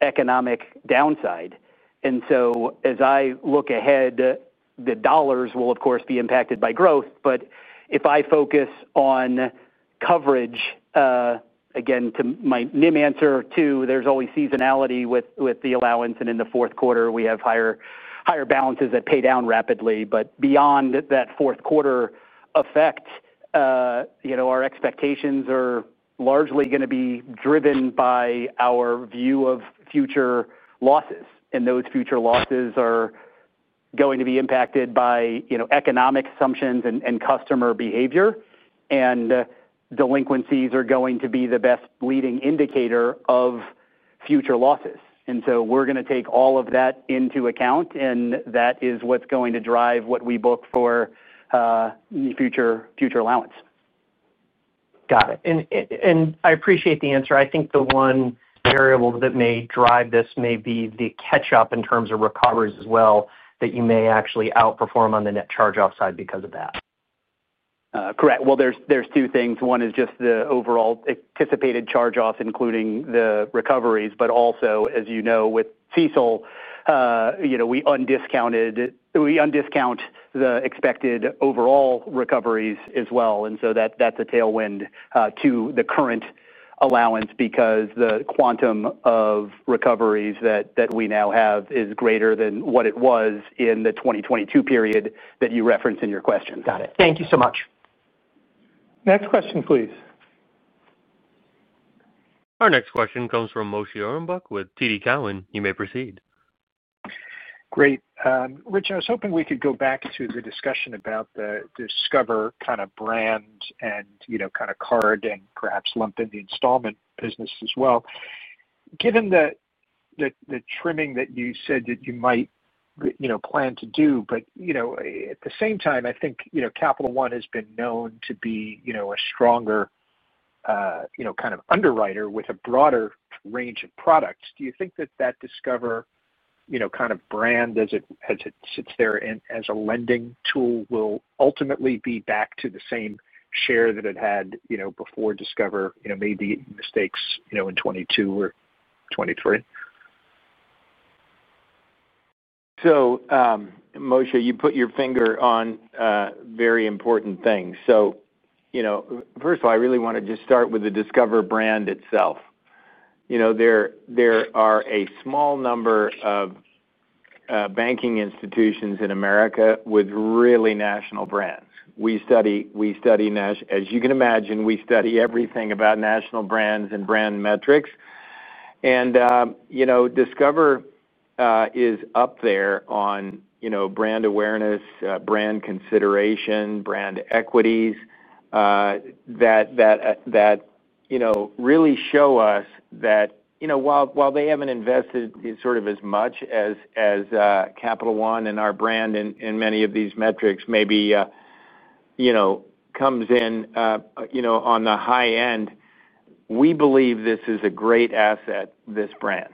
economic downside. As I look ahead, the dollars will, of course, be impacted by growth. If I focus on coverage, again, to my NIM answer too, there's always seasonality with the allowance. In the fourth quarter, we have higher balances that pay down rapidly. Beyond that fourth quarter effect, our expectations are largely going to be driven by our view of future losses. Those future losses are going to be impacted by economic assumptions and customer behavior. Delinquencies are going to be the best leading indicator of future losses. We're going to take all of that into account. That is what's going to drive what we book for the future allowance. Got it. I appreciate the answer. I think the one variable that may drive this may be the catch-up in terms of recoveries as well, that you may actually outperform on the net charge-off side because of that. Correct. There are two things. One is just the overall anticipated charge-offs, including the recoveries. Also, as you know, with Cecil, you know, we undiscount the expected overall recoveries as well. That is a tailwind to the current allowance because the quantum of recoveries that we now have is greater than what it was in the 2022 period that you referenced in your question. Got it. Thank you so much. Next question, please. Our next question comes from Moshe Orenbuch with TD Cowen. You may proceed. Great. Rich, I was hoping we could go back to the discussion about the Discover kind of brand and, you know, kind of card and perhaps lump in the installment business as well. Given the trimming that you said that you might plan to do, at the same time, I think Capital One has been known to be a stronger kind of underwriter with a broader range of products. Do you think that that Discover kind of brand, as it sits there as a lending tool, will ultimately be back to the same share that it had before Discover made the mistakes in 2022 or 2023? Moshe, you put your finger on very important things. First of all, I really want to just start with the Discover brand itself. There are a small number of banking institutions in America with really national brands. We study, as you can imagine, everything about national brands and brand metrics. Discover is up there on brand awareness, brand consideration, brand equities that really show us that while they haven't invested as much as Capital One and our brand in many of these metrics, maybe comes in on the high end, we believe this is a great asset, this brand.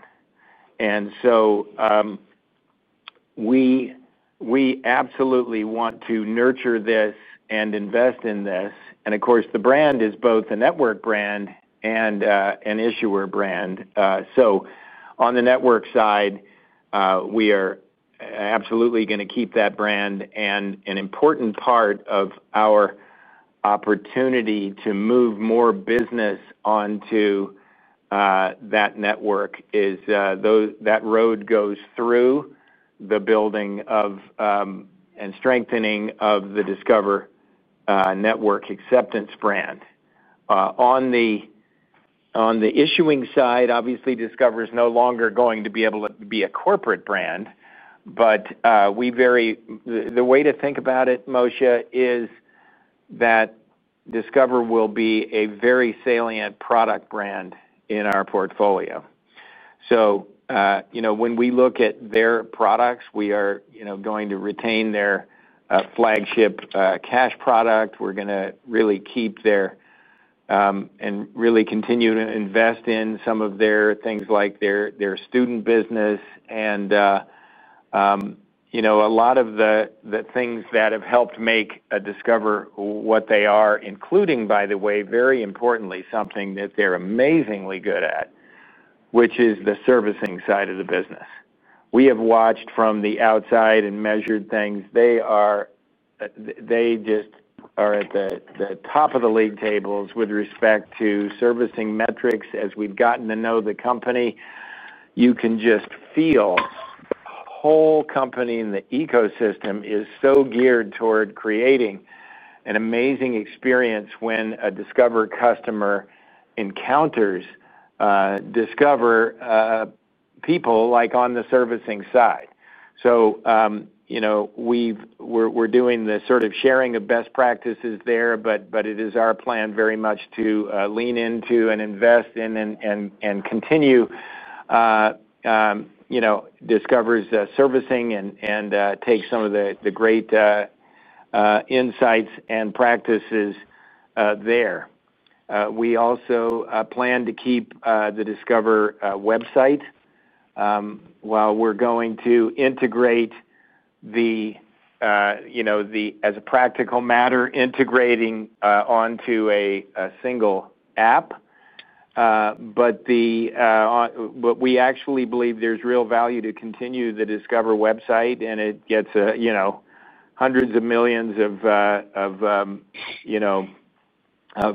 We absolutely want to nurture this and invest in this. The brand is both a network brand and an issuer brand. On the network side, we are absolutely going to keep that brand. An important part of our opportunity to move more business onto that network is that road goes through the building and strengthening of the Discover network acceptance brand. On the issuing side, obviously, Discover is no longer going to be able to be a corporate brand. The way to think about it, Moshe, is that Discover will be a very salient product brand in our portfolio. When we look at their products, we are going to retain their flagship cash product. We're going to really keep their and really continue to invest in some of their things like their student business. A lot of the things that have helped make Discover what they are, including, by the way, very importantly, something that they're amazingly good at, which is the servicing side of the business. We have watched from the outside and measured things. They just are at the top of the league tables with respect to servicing metrics. As we've gotten to know the company, you can just feel the whole company and the ecosystem is so geared toward creating an amazing experience when a Discover customer encounters Discover people like on the servicing side. We're doing the sort of sharing of best practices there, but it is our plan very much to lean into and invest in and continue Discover's servicing and take some of the great insights and practices there. We also plan to keep the Discover website while we're going to integrate the, as a practical matter, integrating onto a single app. We actually believe there's real value to continue the Discover website, and it gets hundreds of millions of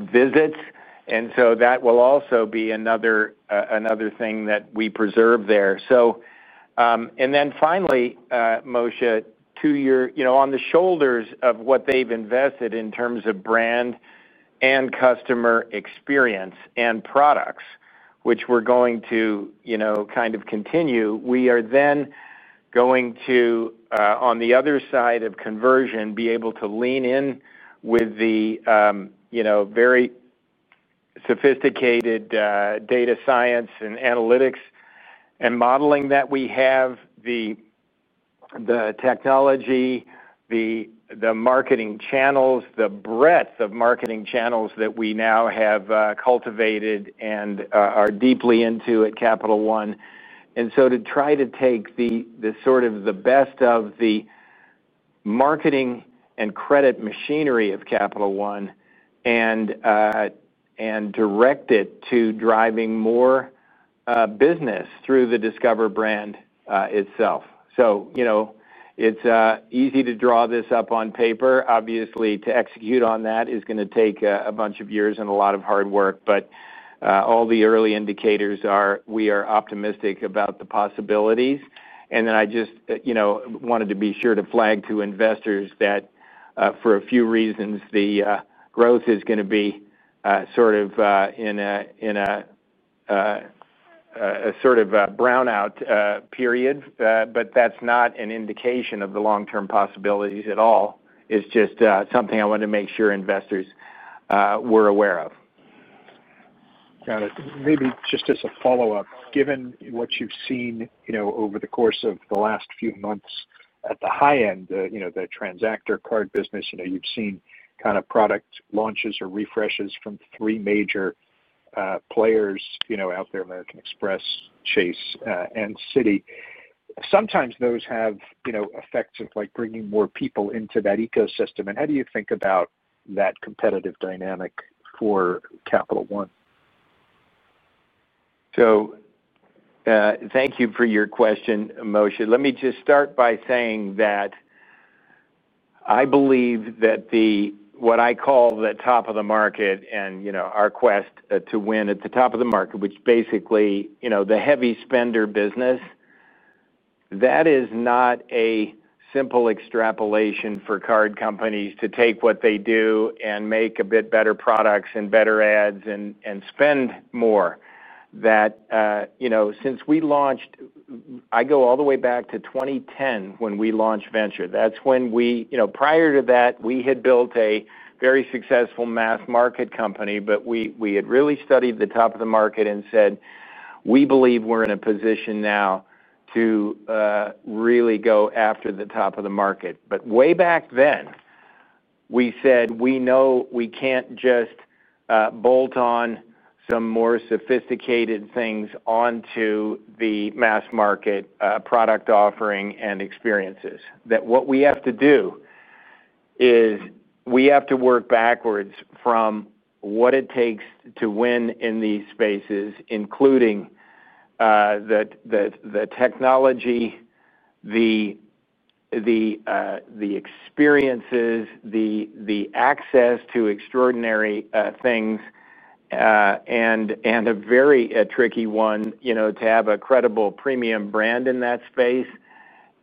visits. That will also be another thing that we preserve there. Finally, Moshe, on the shoulders of what they've invested in terms of brand and customer experience and products, which we're going to continue, we are then going to, on the other side of conversion, be able to lean in with the very sophisticated data science and analytics and modeling that we have, the technology, the marketing channels, the breadth of marketing channels that we now have cultivated and are deeply into at Capital One. To try to take the best of the marketing and credit machinery of Capital One and direct it to driving more business through the Discover brand itself. It's easy to draw this up on paper. Obviously, to execute on that is going to take a bunch of years and a lot of hard work. All the early indicators are we are optimistic about the possibilities. I just wanted to be sure to flag to investors that for a few reasons, the growth is going to be in a sort of brownout period. That's not an indication of the long-term possibilities at all. It's just something I wanted to make sure investors were aware of. Got it. Maybe just as a follow-up, given what you've seen over the course of the last few months at the high end, you know, the transactor card business, you've seen kind of product launches or refreshes from three major players out there, American Express, Chase, and Citi. Sometimes those have effects of bringing more people into that ecosystem. How do you think about that competitive dynamic for Capital One? Thank you for your question, Moshe. Let me just start by saying that I believe that what I call the top of the market and, you know, our quest to win at the top of the market, which basically, you know, the heavy spender business, that is not a simple extrapolation for card companies to take what they do and make a bit better products and better ads and spend more. That, you know, since we launched, I go all the way back to 2010 when we launched Venture. That's when we, you know, prior to that, we had built a very successful mass market company, but we had really studied the top of the market and said we believe we're in a position now to really go after the top of the market. Way back then, we said we know we can't just bolt on some more sophisticated things onto the mass market product offering and experiences. What we have to do is we have to work backwards from what it takes to win in these spaces, including the technology, the experiences, the access to extraordinary things, and a very tricky one, you know, to have a credible premium brand in that space.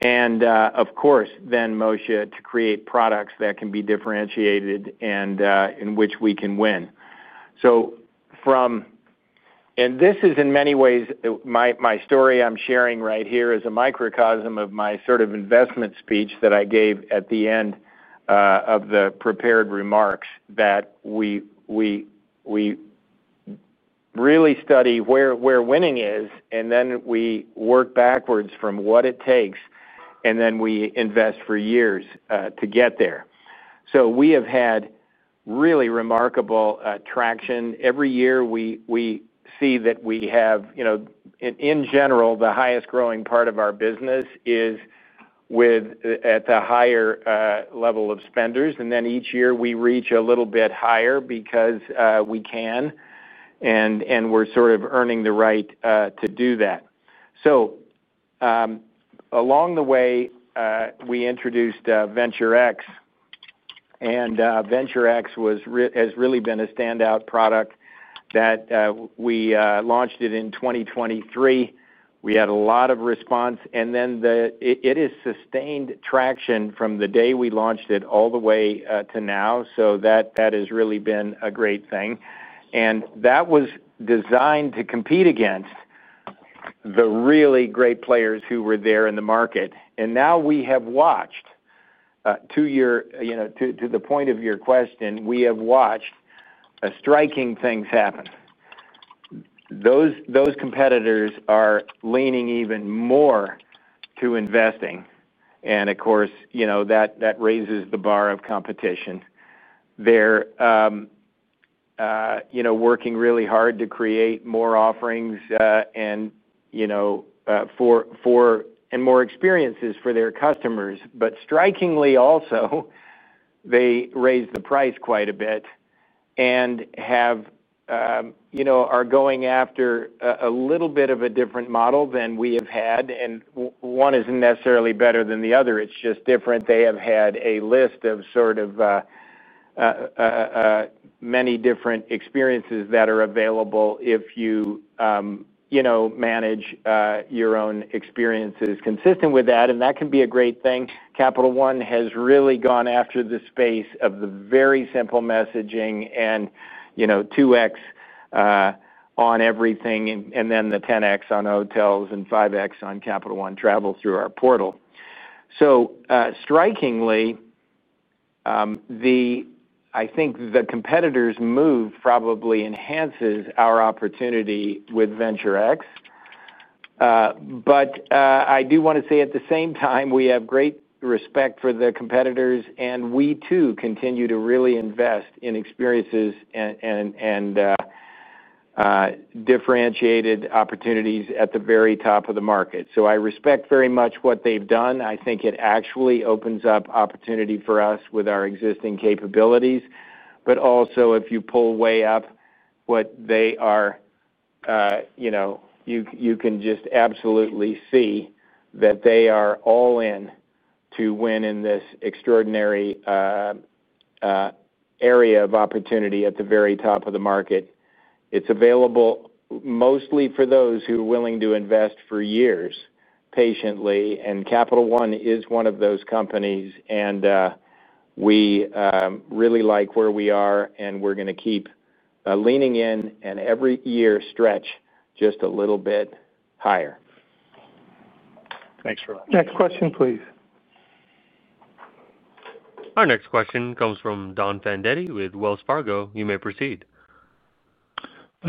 Of course, then, Moshe, to create products that can be differentiated and in which we can win. In many ways, my story I'm sharing right here is a microcosm of my sort of investment speech that I gave at the end of the prepared remarks that we really study where winning is, and then we work backwards from what it takes, and then we invest for years to get there. We have had really remarkable traction. Every year we see that we have, you know, in general, the highest growing part of our business is with at the higher level of spenders. Each year we reach a little bit higher because we can, and we're sort of earning the right to do that. Along the way, we introduced VentureX, and VentureX has really been a standout product that we launched in 2023. We had a lot of response, and it has sustained traction from the day we launched it all the way to now. That has really been a great thing. That was designed to compete against the really great players who were there in the market. Now we have watched, to the point of your question, we have watched striking things happen. Those competitors are leaning even more to investing. Of course, you know, that raises the bar of competition. They're, you know, working really hard to create more offerings and, you know, for more experiences for their customers. Strikingly also, they raised the price quite a bit and are going after a little bit of a different model than we have had. One isn't necessarily better than the other. It's just different. They have had a list of many different experiences that are available if you manage your own experiences consistent with that, and that can be a great thing. Capital One has really gone after the space of the very simple messaging and 2x on everything, and then the 10x on hotels and 5x on Capital One travel through our portal. Strikingly, I think the competitors' move probably enhances our opportunity with VentureX. I do want to say at the same time, we have great respect for the competitors, and we too continue to really invest in experiences and differentiated opportunities at the very top of the market. I respect very much what they've done. I think it actually opens up opportunity for us with our existing capabilities. Also, if you pull way up what they are, you can just absolutely see that they are all in to win in this extraordinary area of opportunity at the very top of the market. It's available mostly for those who are willing to invest for years patiently. Capital One is one of those companies, and we really like where we are, and we're going to keep leaning. Every year stretch just a little bit higher. Thanks very much. Next question, please. Our next question comes from Don Fandetti with Wells Fargo. You may proceed.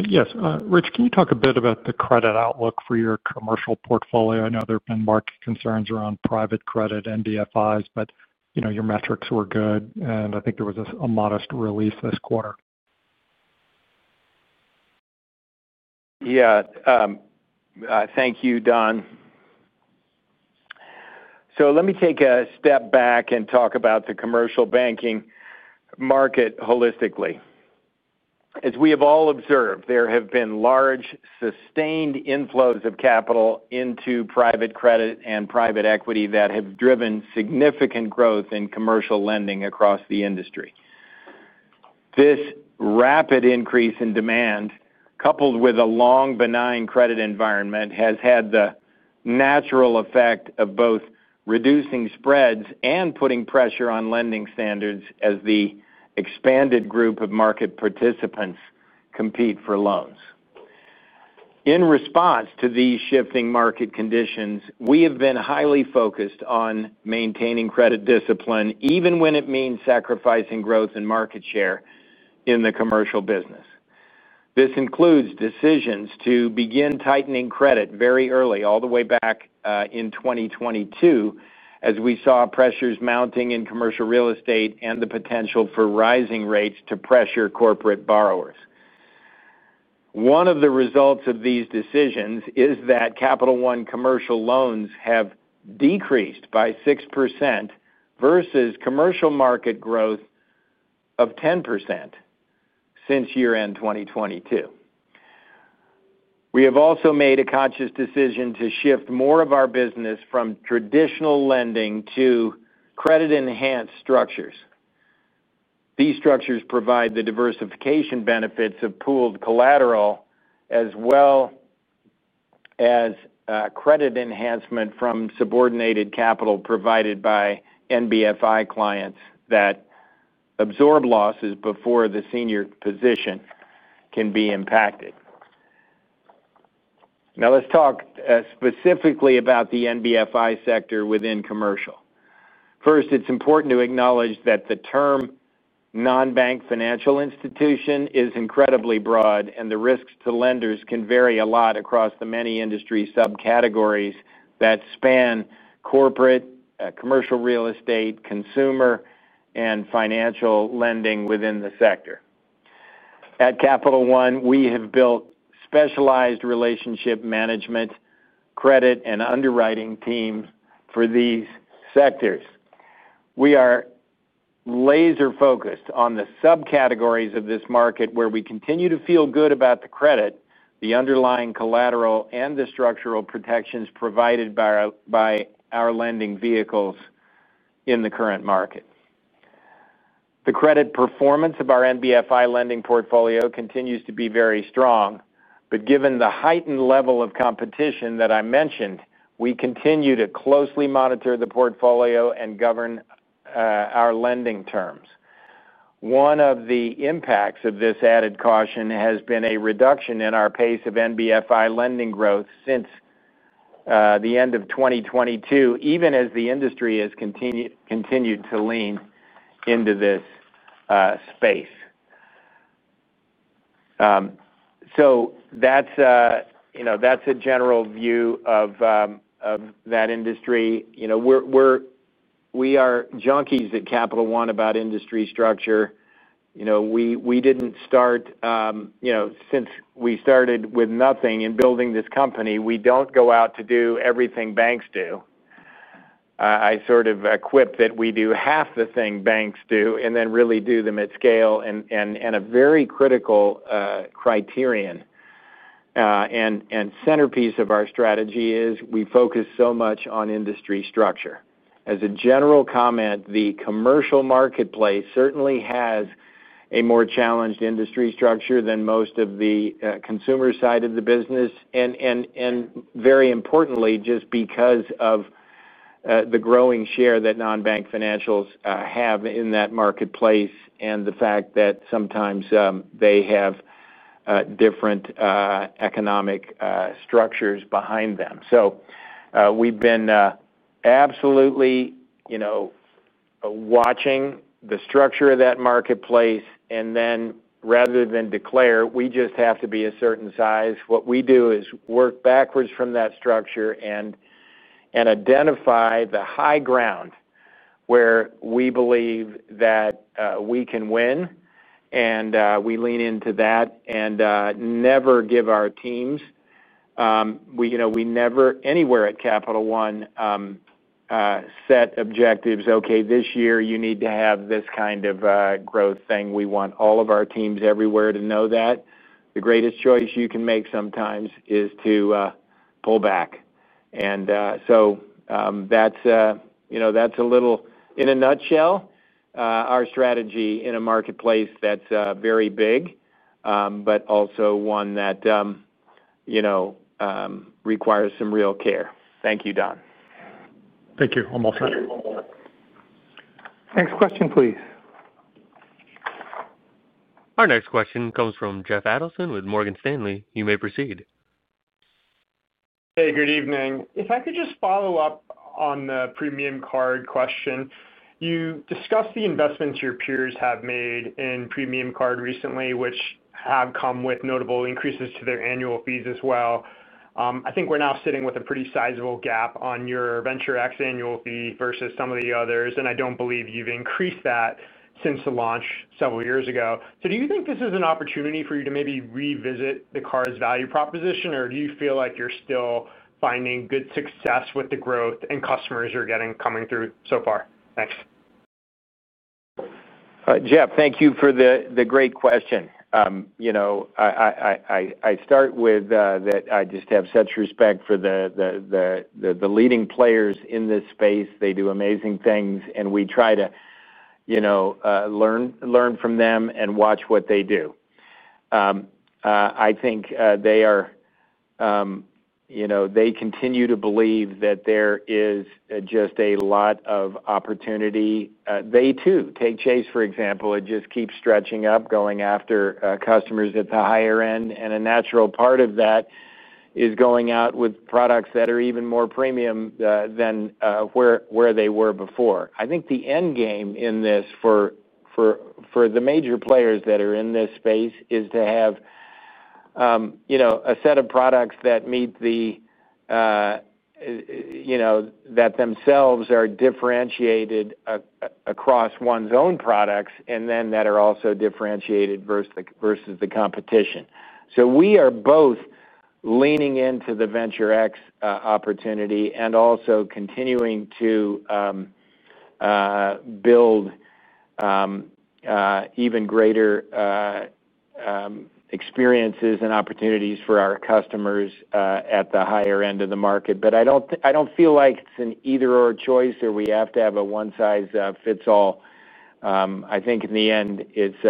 Yes. Rich, can you talk a bit about the credit outlook for your commercial portfolio? I know there have been market concerns around private credit and DFIs, but your metrics were good, and I think there was a modest release this quarter. Yeah, thank you, Don. Let me take a step back and talk about the commercial banking market holistically. As we have all observed, there have been large, sustained inflows of capital into private credit and private equity that have driven significant growth in commercial lending across the industry. This rapid increase in demand, coupled with a long, benign credit environment, has had the natural effect of both reducing spreads and putting pressure on lending standards as the expanded group of market participants compete for loans. In response to these shifting market conditions, we have been highly focused on maintaining credit discipline even when it means sacrificing growth in market share in the commercial business. This includes decisions to begin tightening credit very early, all the way back in 2022, as we saw pressures mounting in commercial real estate and the potential for rising rates to pressure corporate borrowers. One of the results of these decisions is that Capital One commercial loans have decreased by 6% versus commercial market growth of 10% since year-end 2022. We have also made a conscious decision to shift more of our business from traditional lending to credit-enhanced structures. These structures provide the diversification benefits of pooled collateral as well as credit enhancement from subordinated capital provided by NBFI clients that absorb losses before the senior position can be impacted. Now, let's talk specifically about the NBFI sector within commercial. First, it's important to acknowledge that the term non-bank financial institution is incredibly broad, and the risks to lenders can vary a lot across the many industry subcategories that span corporate, commercial real estate, consumer, and financial lending within the sector. At Capital One, we have built specialized relationship management, credit, and underwriting teams for these sectors. We are laser-focused on the subcategories of this market where we continue to feel good about the credit, the underlying collateral, and the structural protections provided by our lending vehicles in the current market. The credit performance of our NBFI lending portfolio continues to be very strong, but given the heightened level of competition that I mentioned, we continue to closely monitor the portfolio and govern our lending terms. One of the impacts of this added caution has been a reduction in our pace of NBFI lending growth since the end of 2022, even as the industry has continued to lean into this space. That's a general view of that industry. We are junkies at Capital One about industry structure. Since we started with nothing in building this company, we don't go out to do everything banks do. I sort of quip that we do half the things banks do and then really do them at scale. A very critical criterion and centerpiece of our strategy is we focus so much on industry structure. As a general comment, the commercial marketplace certainly has a more challenged industry structure than most of the consumer side of the business. Very importantly, just because of the growing share that non-bank financials have in that marketplace and the fact that sometimes they have different economic structures behind them. We've been absolutely watching the structure of that marketplace. Rather than declare we just have to be a certain size, what we do is work backwards from that structure and identify the high ground where we believe that we can win, and we lean into that. We never give our teams, we never anywhere at Capital One, set objectives, "Okay, this year you need to have this kind of growth thing." We want all of our teams everywhere to know that the greatest choice you can make sometimes is to pull back. That's a little, in a nutshell, our strategy in a marketplace that's very big, but also one that requires some real care. Thank you, Don. Thank you. I'm all set. Next question, please. Our next question comes from Jeff Preston with Morgan Stanley. You may proceed. Hey, good evening. If I could just follow up on the premium card question, you discussed the investments your peers have made in premium card recently, which have come with notable increases to their annual fees as well. I think we're now sitting with a pretty sizable gap on your VentureX annual fee versus some of the others, and I don't believe you've increased that since the launch several years ago. Do you think this is an opportunity for you to maybe revisit the card's value proposition, or do you feel like you're still finding good success with the growth and customers you're getting coming through so far? Thanks. Jeff, thank you for the great question. I start with that I just have such respect for the leading players in this space. They do amazing things, and we try to learn from them and watch what they do. I think they continue to believe that there is just a lot of opportunity. Take Chase, for example, and just keep stretching up, going after customers at the higher end. A natural part of that is going out with products that are even more premium than where they were before. I think the end game in this for the major players that are in this space is to have a set of products that themselves are differentiated across one's own products and then that are also differentiated versus the competition. We are both leaning into the VentureX opportunity and also continuing to build even greater experiences and opportunities for our customers at the higher end of the market. I don't feel like it's an either/or choice or we have to have a one size fits all. I think in the end, it's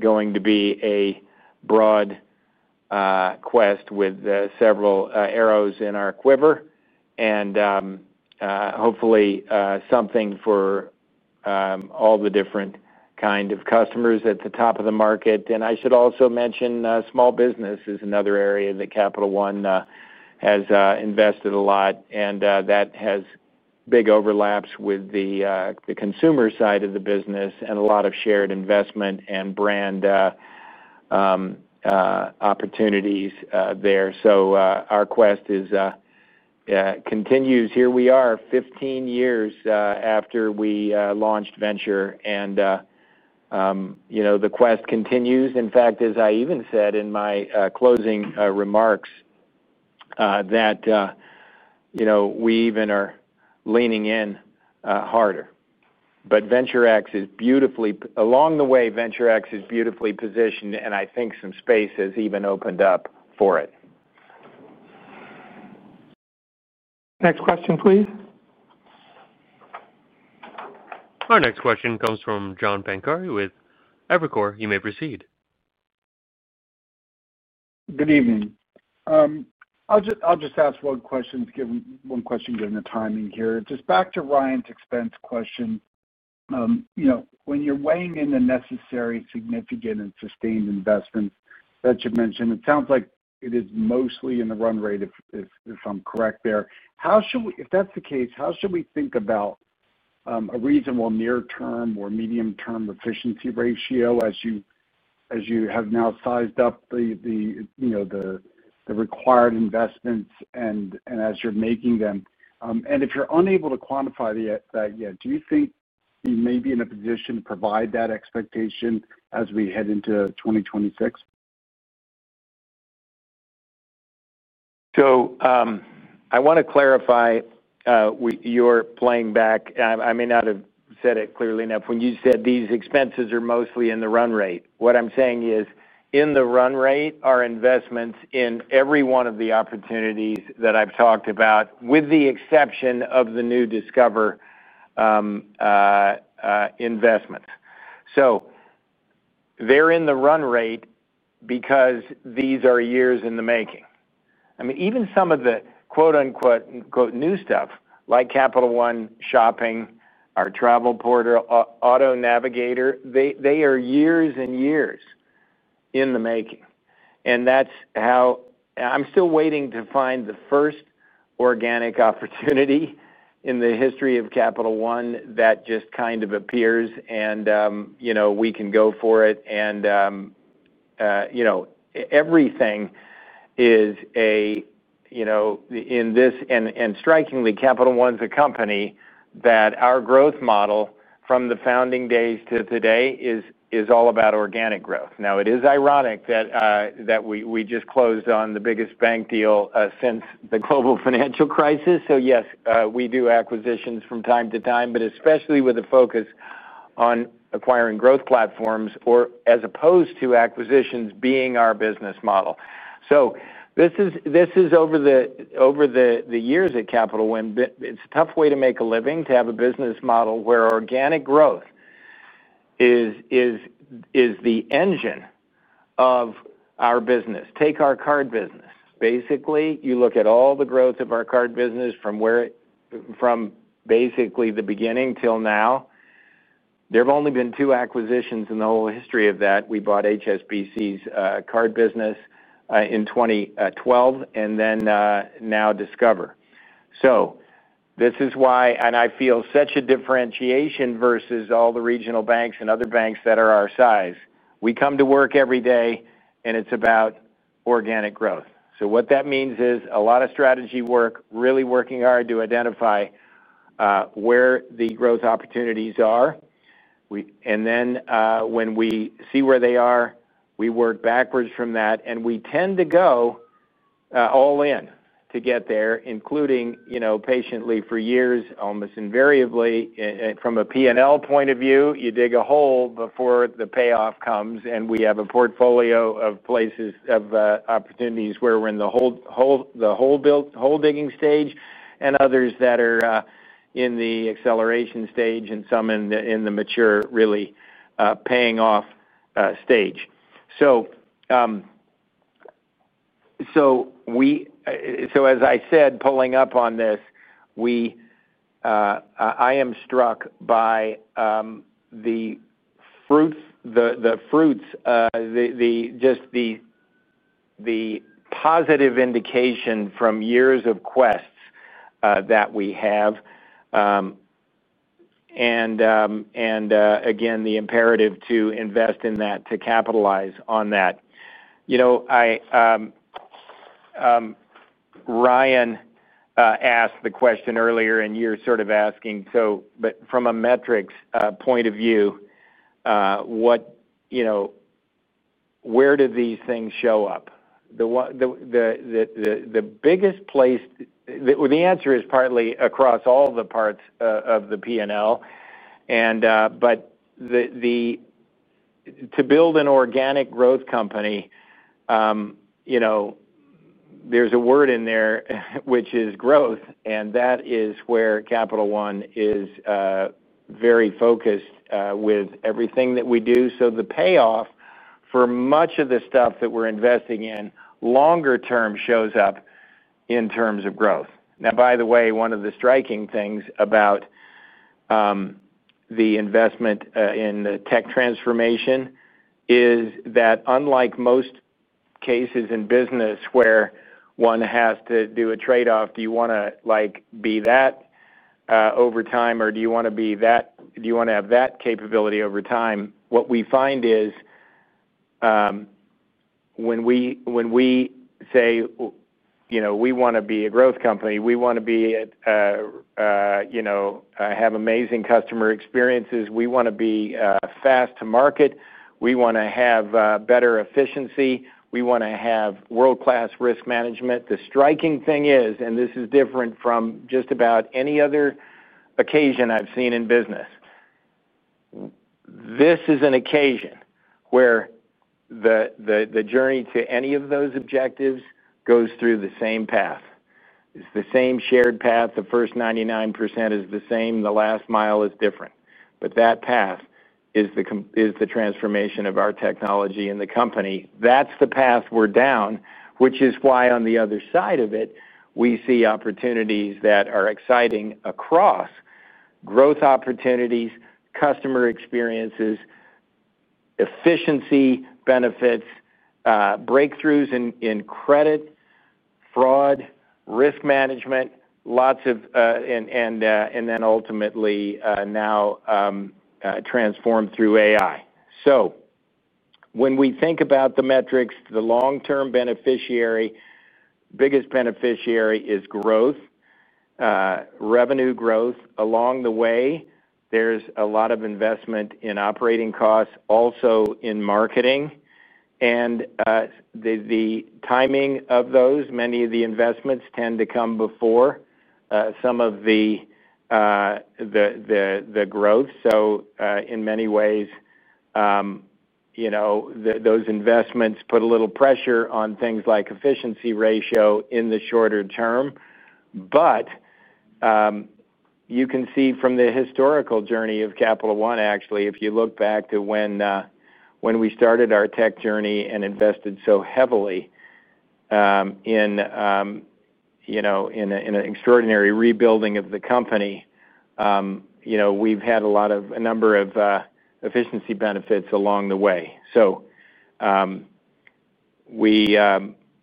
going to be a broad quest with several arrows in our quiver, and hopefully, something for all the different kind of customers at the top of the market. I should also mention, small business is another area that Capital One has invested a lot, and that has big overlaps with the consumer side of the business and a lot of shared investment and brand opportunities there. Our quest continues. Here we are 15 years after we launched Venture, and the quest continues. In fact, as I even said in my closing remarks, we even are leaning in harder. VentureX is beautifully along the way, VentureX is beautifully positioned, and I think some space has even opened up for it. Next question, please. Our next question comes from John Pancari with Evercore. You may proceed. Good evening. I'll just ask one question given the timing here. Just back to Ryan's expense question. When you're weighing in the necessary, significant, and sustained investments that you mentioned, it sounds like it is mostly in the run rate, if I'm correct there. How should we, if that's the case, how should we think about a reasonable near-term or medium-term efficiency ratio as you have now sized up the required investments and as you're making them? If you're unable to quantify that yet, do you think you may be in a position to provide that expectation as we head into 2026? I want to clarify. You're playing back, and I may not have said it clearly enough when you said these expenses are mostly in the run rate. What I'm saying is, in the run rate, our investments in every one of the opportunities that I've talked about, with the exception of the new Discover investments. They're in the run rate because these are years in the making. I mean, even some of the quote-unquote "new stuff," like Capital One Shopping, our travel portal, auto-navigator, they are years and years in the making. I'm still waiting to find the first organic opportunity in the history of Capital One that just kind of appears and, you know, we can go for it. Everything is, you know, in this, and, strikingly, Capital One's a company that our growth model from the founding days to today is all about organic growth. It is ironic that we just closed on the biggest bank deal since the global financial crisis. Yes, we do acquisitions from time to time, but especially with a focus on acquiring growth platforms as opposed to acquisitions being our business model. Over the years at Capital One, it's a tough way to make a living to have a business model where organic growth is the engine of our business. Take our card business. Basically, you look at all the growth of our card business from basically the beginning till now. There have only been two acquisitions in the whole history of that. We bought HSBC's card business in 2012, and now Discover. This is why I feel such a differentiation versus all the regional banks and other banks that are our size. We come to work every day, and it's about organic growth. What that means is a lot of strategy work, really working hard to identify where the growth opportunities are. When we see where they are, we work backwards from that. We tend to go all in to get there, including, you know, patiently for years, almost invariably. From a P&L point of view, you dig a hole before the payoff comes. We have a portfolio of places, of opportunities where we're in the hole-digging stage and others that are in the acceleration stage and some in the mature, really paying-off stage. As I said, pulling up on this, I am struck by the fruits, the positive indication from years of quests that we have, and again, the imperative to invest in that, to capitalize on that. You know, Ryan asked the question earlier, and you're sort of asking, from a metrics point of view, where do these things show up? The biggest place the answer is partly across all the parts of the P&L. To build an organic growth company, there's a word in there, which is growth, and that is where Capital One is very focused with everything that we do. The payoff for much of the stuff that we're investing in longer term shows up in terms of growth. By the way, one of the striking things about the investment in the tech transformation is that unlike most cases in business where one has to do a trade-off, do you want to be that over time, or do you want to have that capability over time? What we find is, when we say we want to be a growth company, we want to have amazing customer experiences, we want to be fast to market, we want to have better efficiency, we want to have world-class risk management. The striking thing is, and this is different from just about any other occasion I've seen in business, this is an occasion where the journey to any of those objectives goes through the same path. It's the same shared path. The first 99% is the same. The last mile is different. That path is the transformation of our technology and the company. That's the path we're down, which is why on the other side of it, we see opportunities that are exciting across growth opportunities, customer experiences, efficiency, benefits, breakthroughs in credit, fraud, risk management, and then ultimately, now, transformed through AI. When we think about the metrics, the long-term beneficiary, biggest beneficiary is growth, revenue growth. Along the way, there's a lot of investment in operating costs, also in marketing. The timing of those, many of the investments tend to come before some of the growth. In many ways, those investments put a little pressure on things like efficiency ratio in the shorter term. You can see from the historical journey of Capital One, actually, if you look back to when we started our tech journey and invested so heavily in an extraordinary rebuilding of the company, we've had a number of efficiency benefits along the way.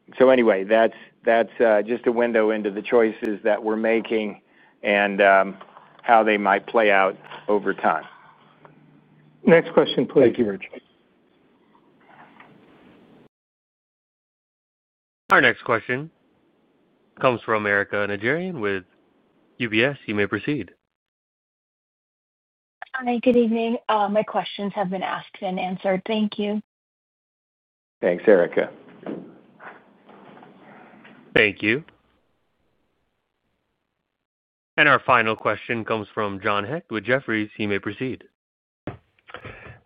That's just a window into the choices that we're making and how they might play out over time. Next question, please. Thank you, Rich. Our next question comes from Erika Nejarian with UBS. You may proceed. Hi. Good evening. My questions have been asked and answered. Thank you. Thanks, Erika. Thank you. Our final question comes from John Heck with Jefferies. You may proceed.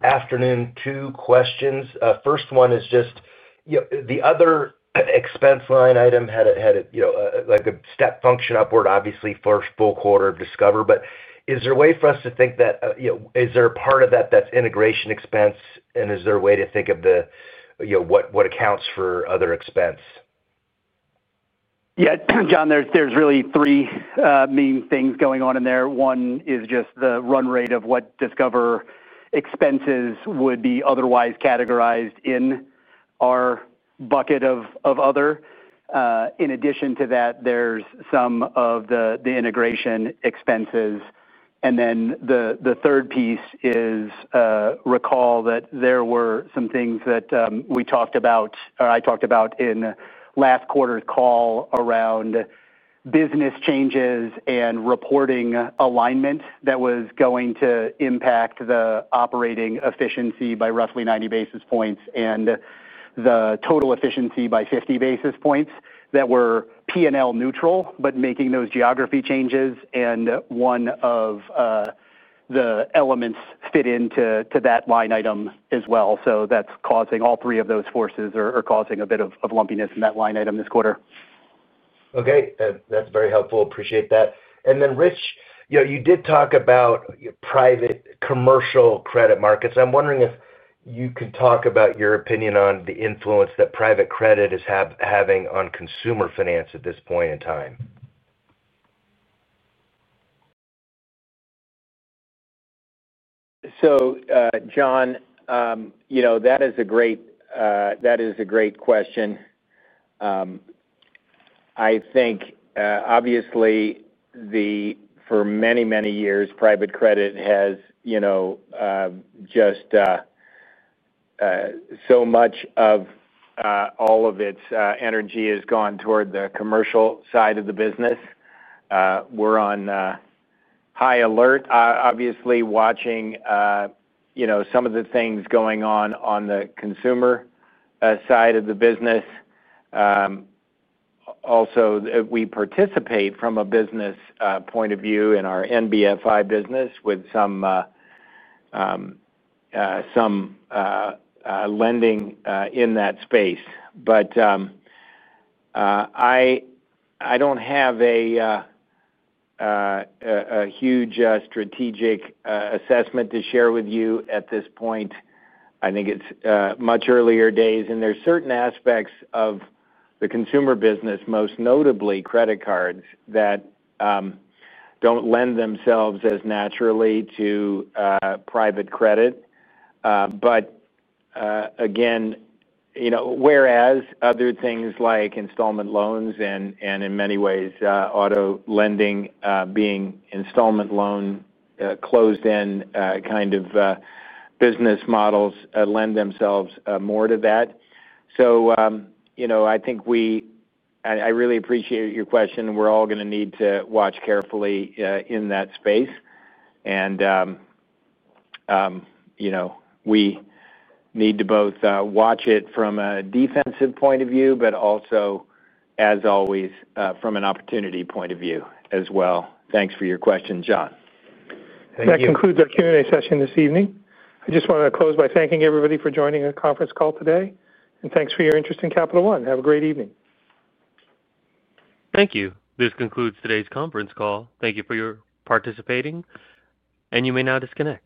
Afternoon. Two questions. First one is just, you know, the other expense line item had a step function upward, obviously, first full quarter of Discover. Is there a way for us to think that, you know, is there a part of that that's integration expense, and is there a way to think of the, you know, what accounts for other expense? Yeah, John, there's really three main things going on in there. One is just the run rate of what Discover expenses would be otherwise categorized in our bucket of other. In addition to that, there's some of the integration expenses. The third piece is, recall that there were some things that we talked about, or I talked about in the last quarter's call around business changes and reporting alignment that was going to impact the operating efficiency by roughly 90 basis points and the total efficiency by 50 basis points that were P&L neutral, but making those geography changes. One of the elements fit into that line item as well. All three of those forces are causing a bit of lumpiness in that line item this quarter. Okay. That's very helpful. Appreciate that. Rich, you did talk about private commercial credit markets. I'm wondering if you could talk about your opinion on the influence that private credit is having on consumer finance at this point in time. That is a great question. Obviously, for many years, private credit has had so much of its energy go toward the commercial side of the business. We're on high alert, watching some of the things going on on the consumer side of the business. We also participate from a business point of view in our NBFI business with some lending in that space. I don't have a huge strategic assessment to share with you at this point. It's much earlier days. There are certain aspects of the consumer business, most notably credit cards, that don't lend themselves as naturally to private credit. Again, whereas other things like installment loans and, in many ways, auto lending, being installment loan, closed-end kind of business models, lend themselves more to that. I really appreciate your question. We're all going to need to watch carefully in that space. We need to both watch it from a defensive point of view, but also, as always, from an opportunity point of view as well. Thanks for your question, John. Thank you. That concludes our Q&A session this evening. I just wanted to close by thanking everybody for joining our conference call today. Thank you for your interest in Capital One. Have a great evening. Thank you. This concludes today's conference call. Thank you for your participating. You may now disconnect.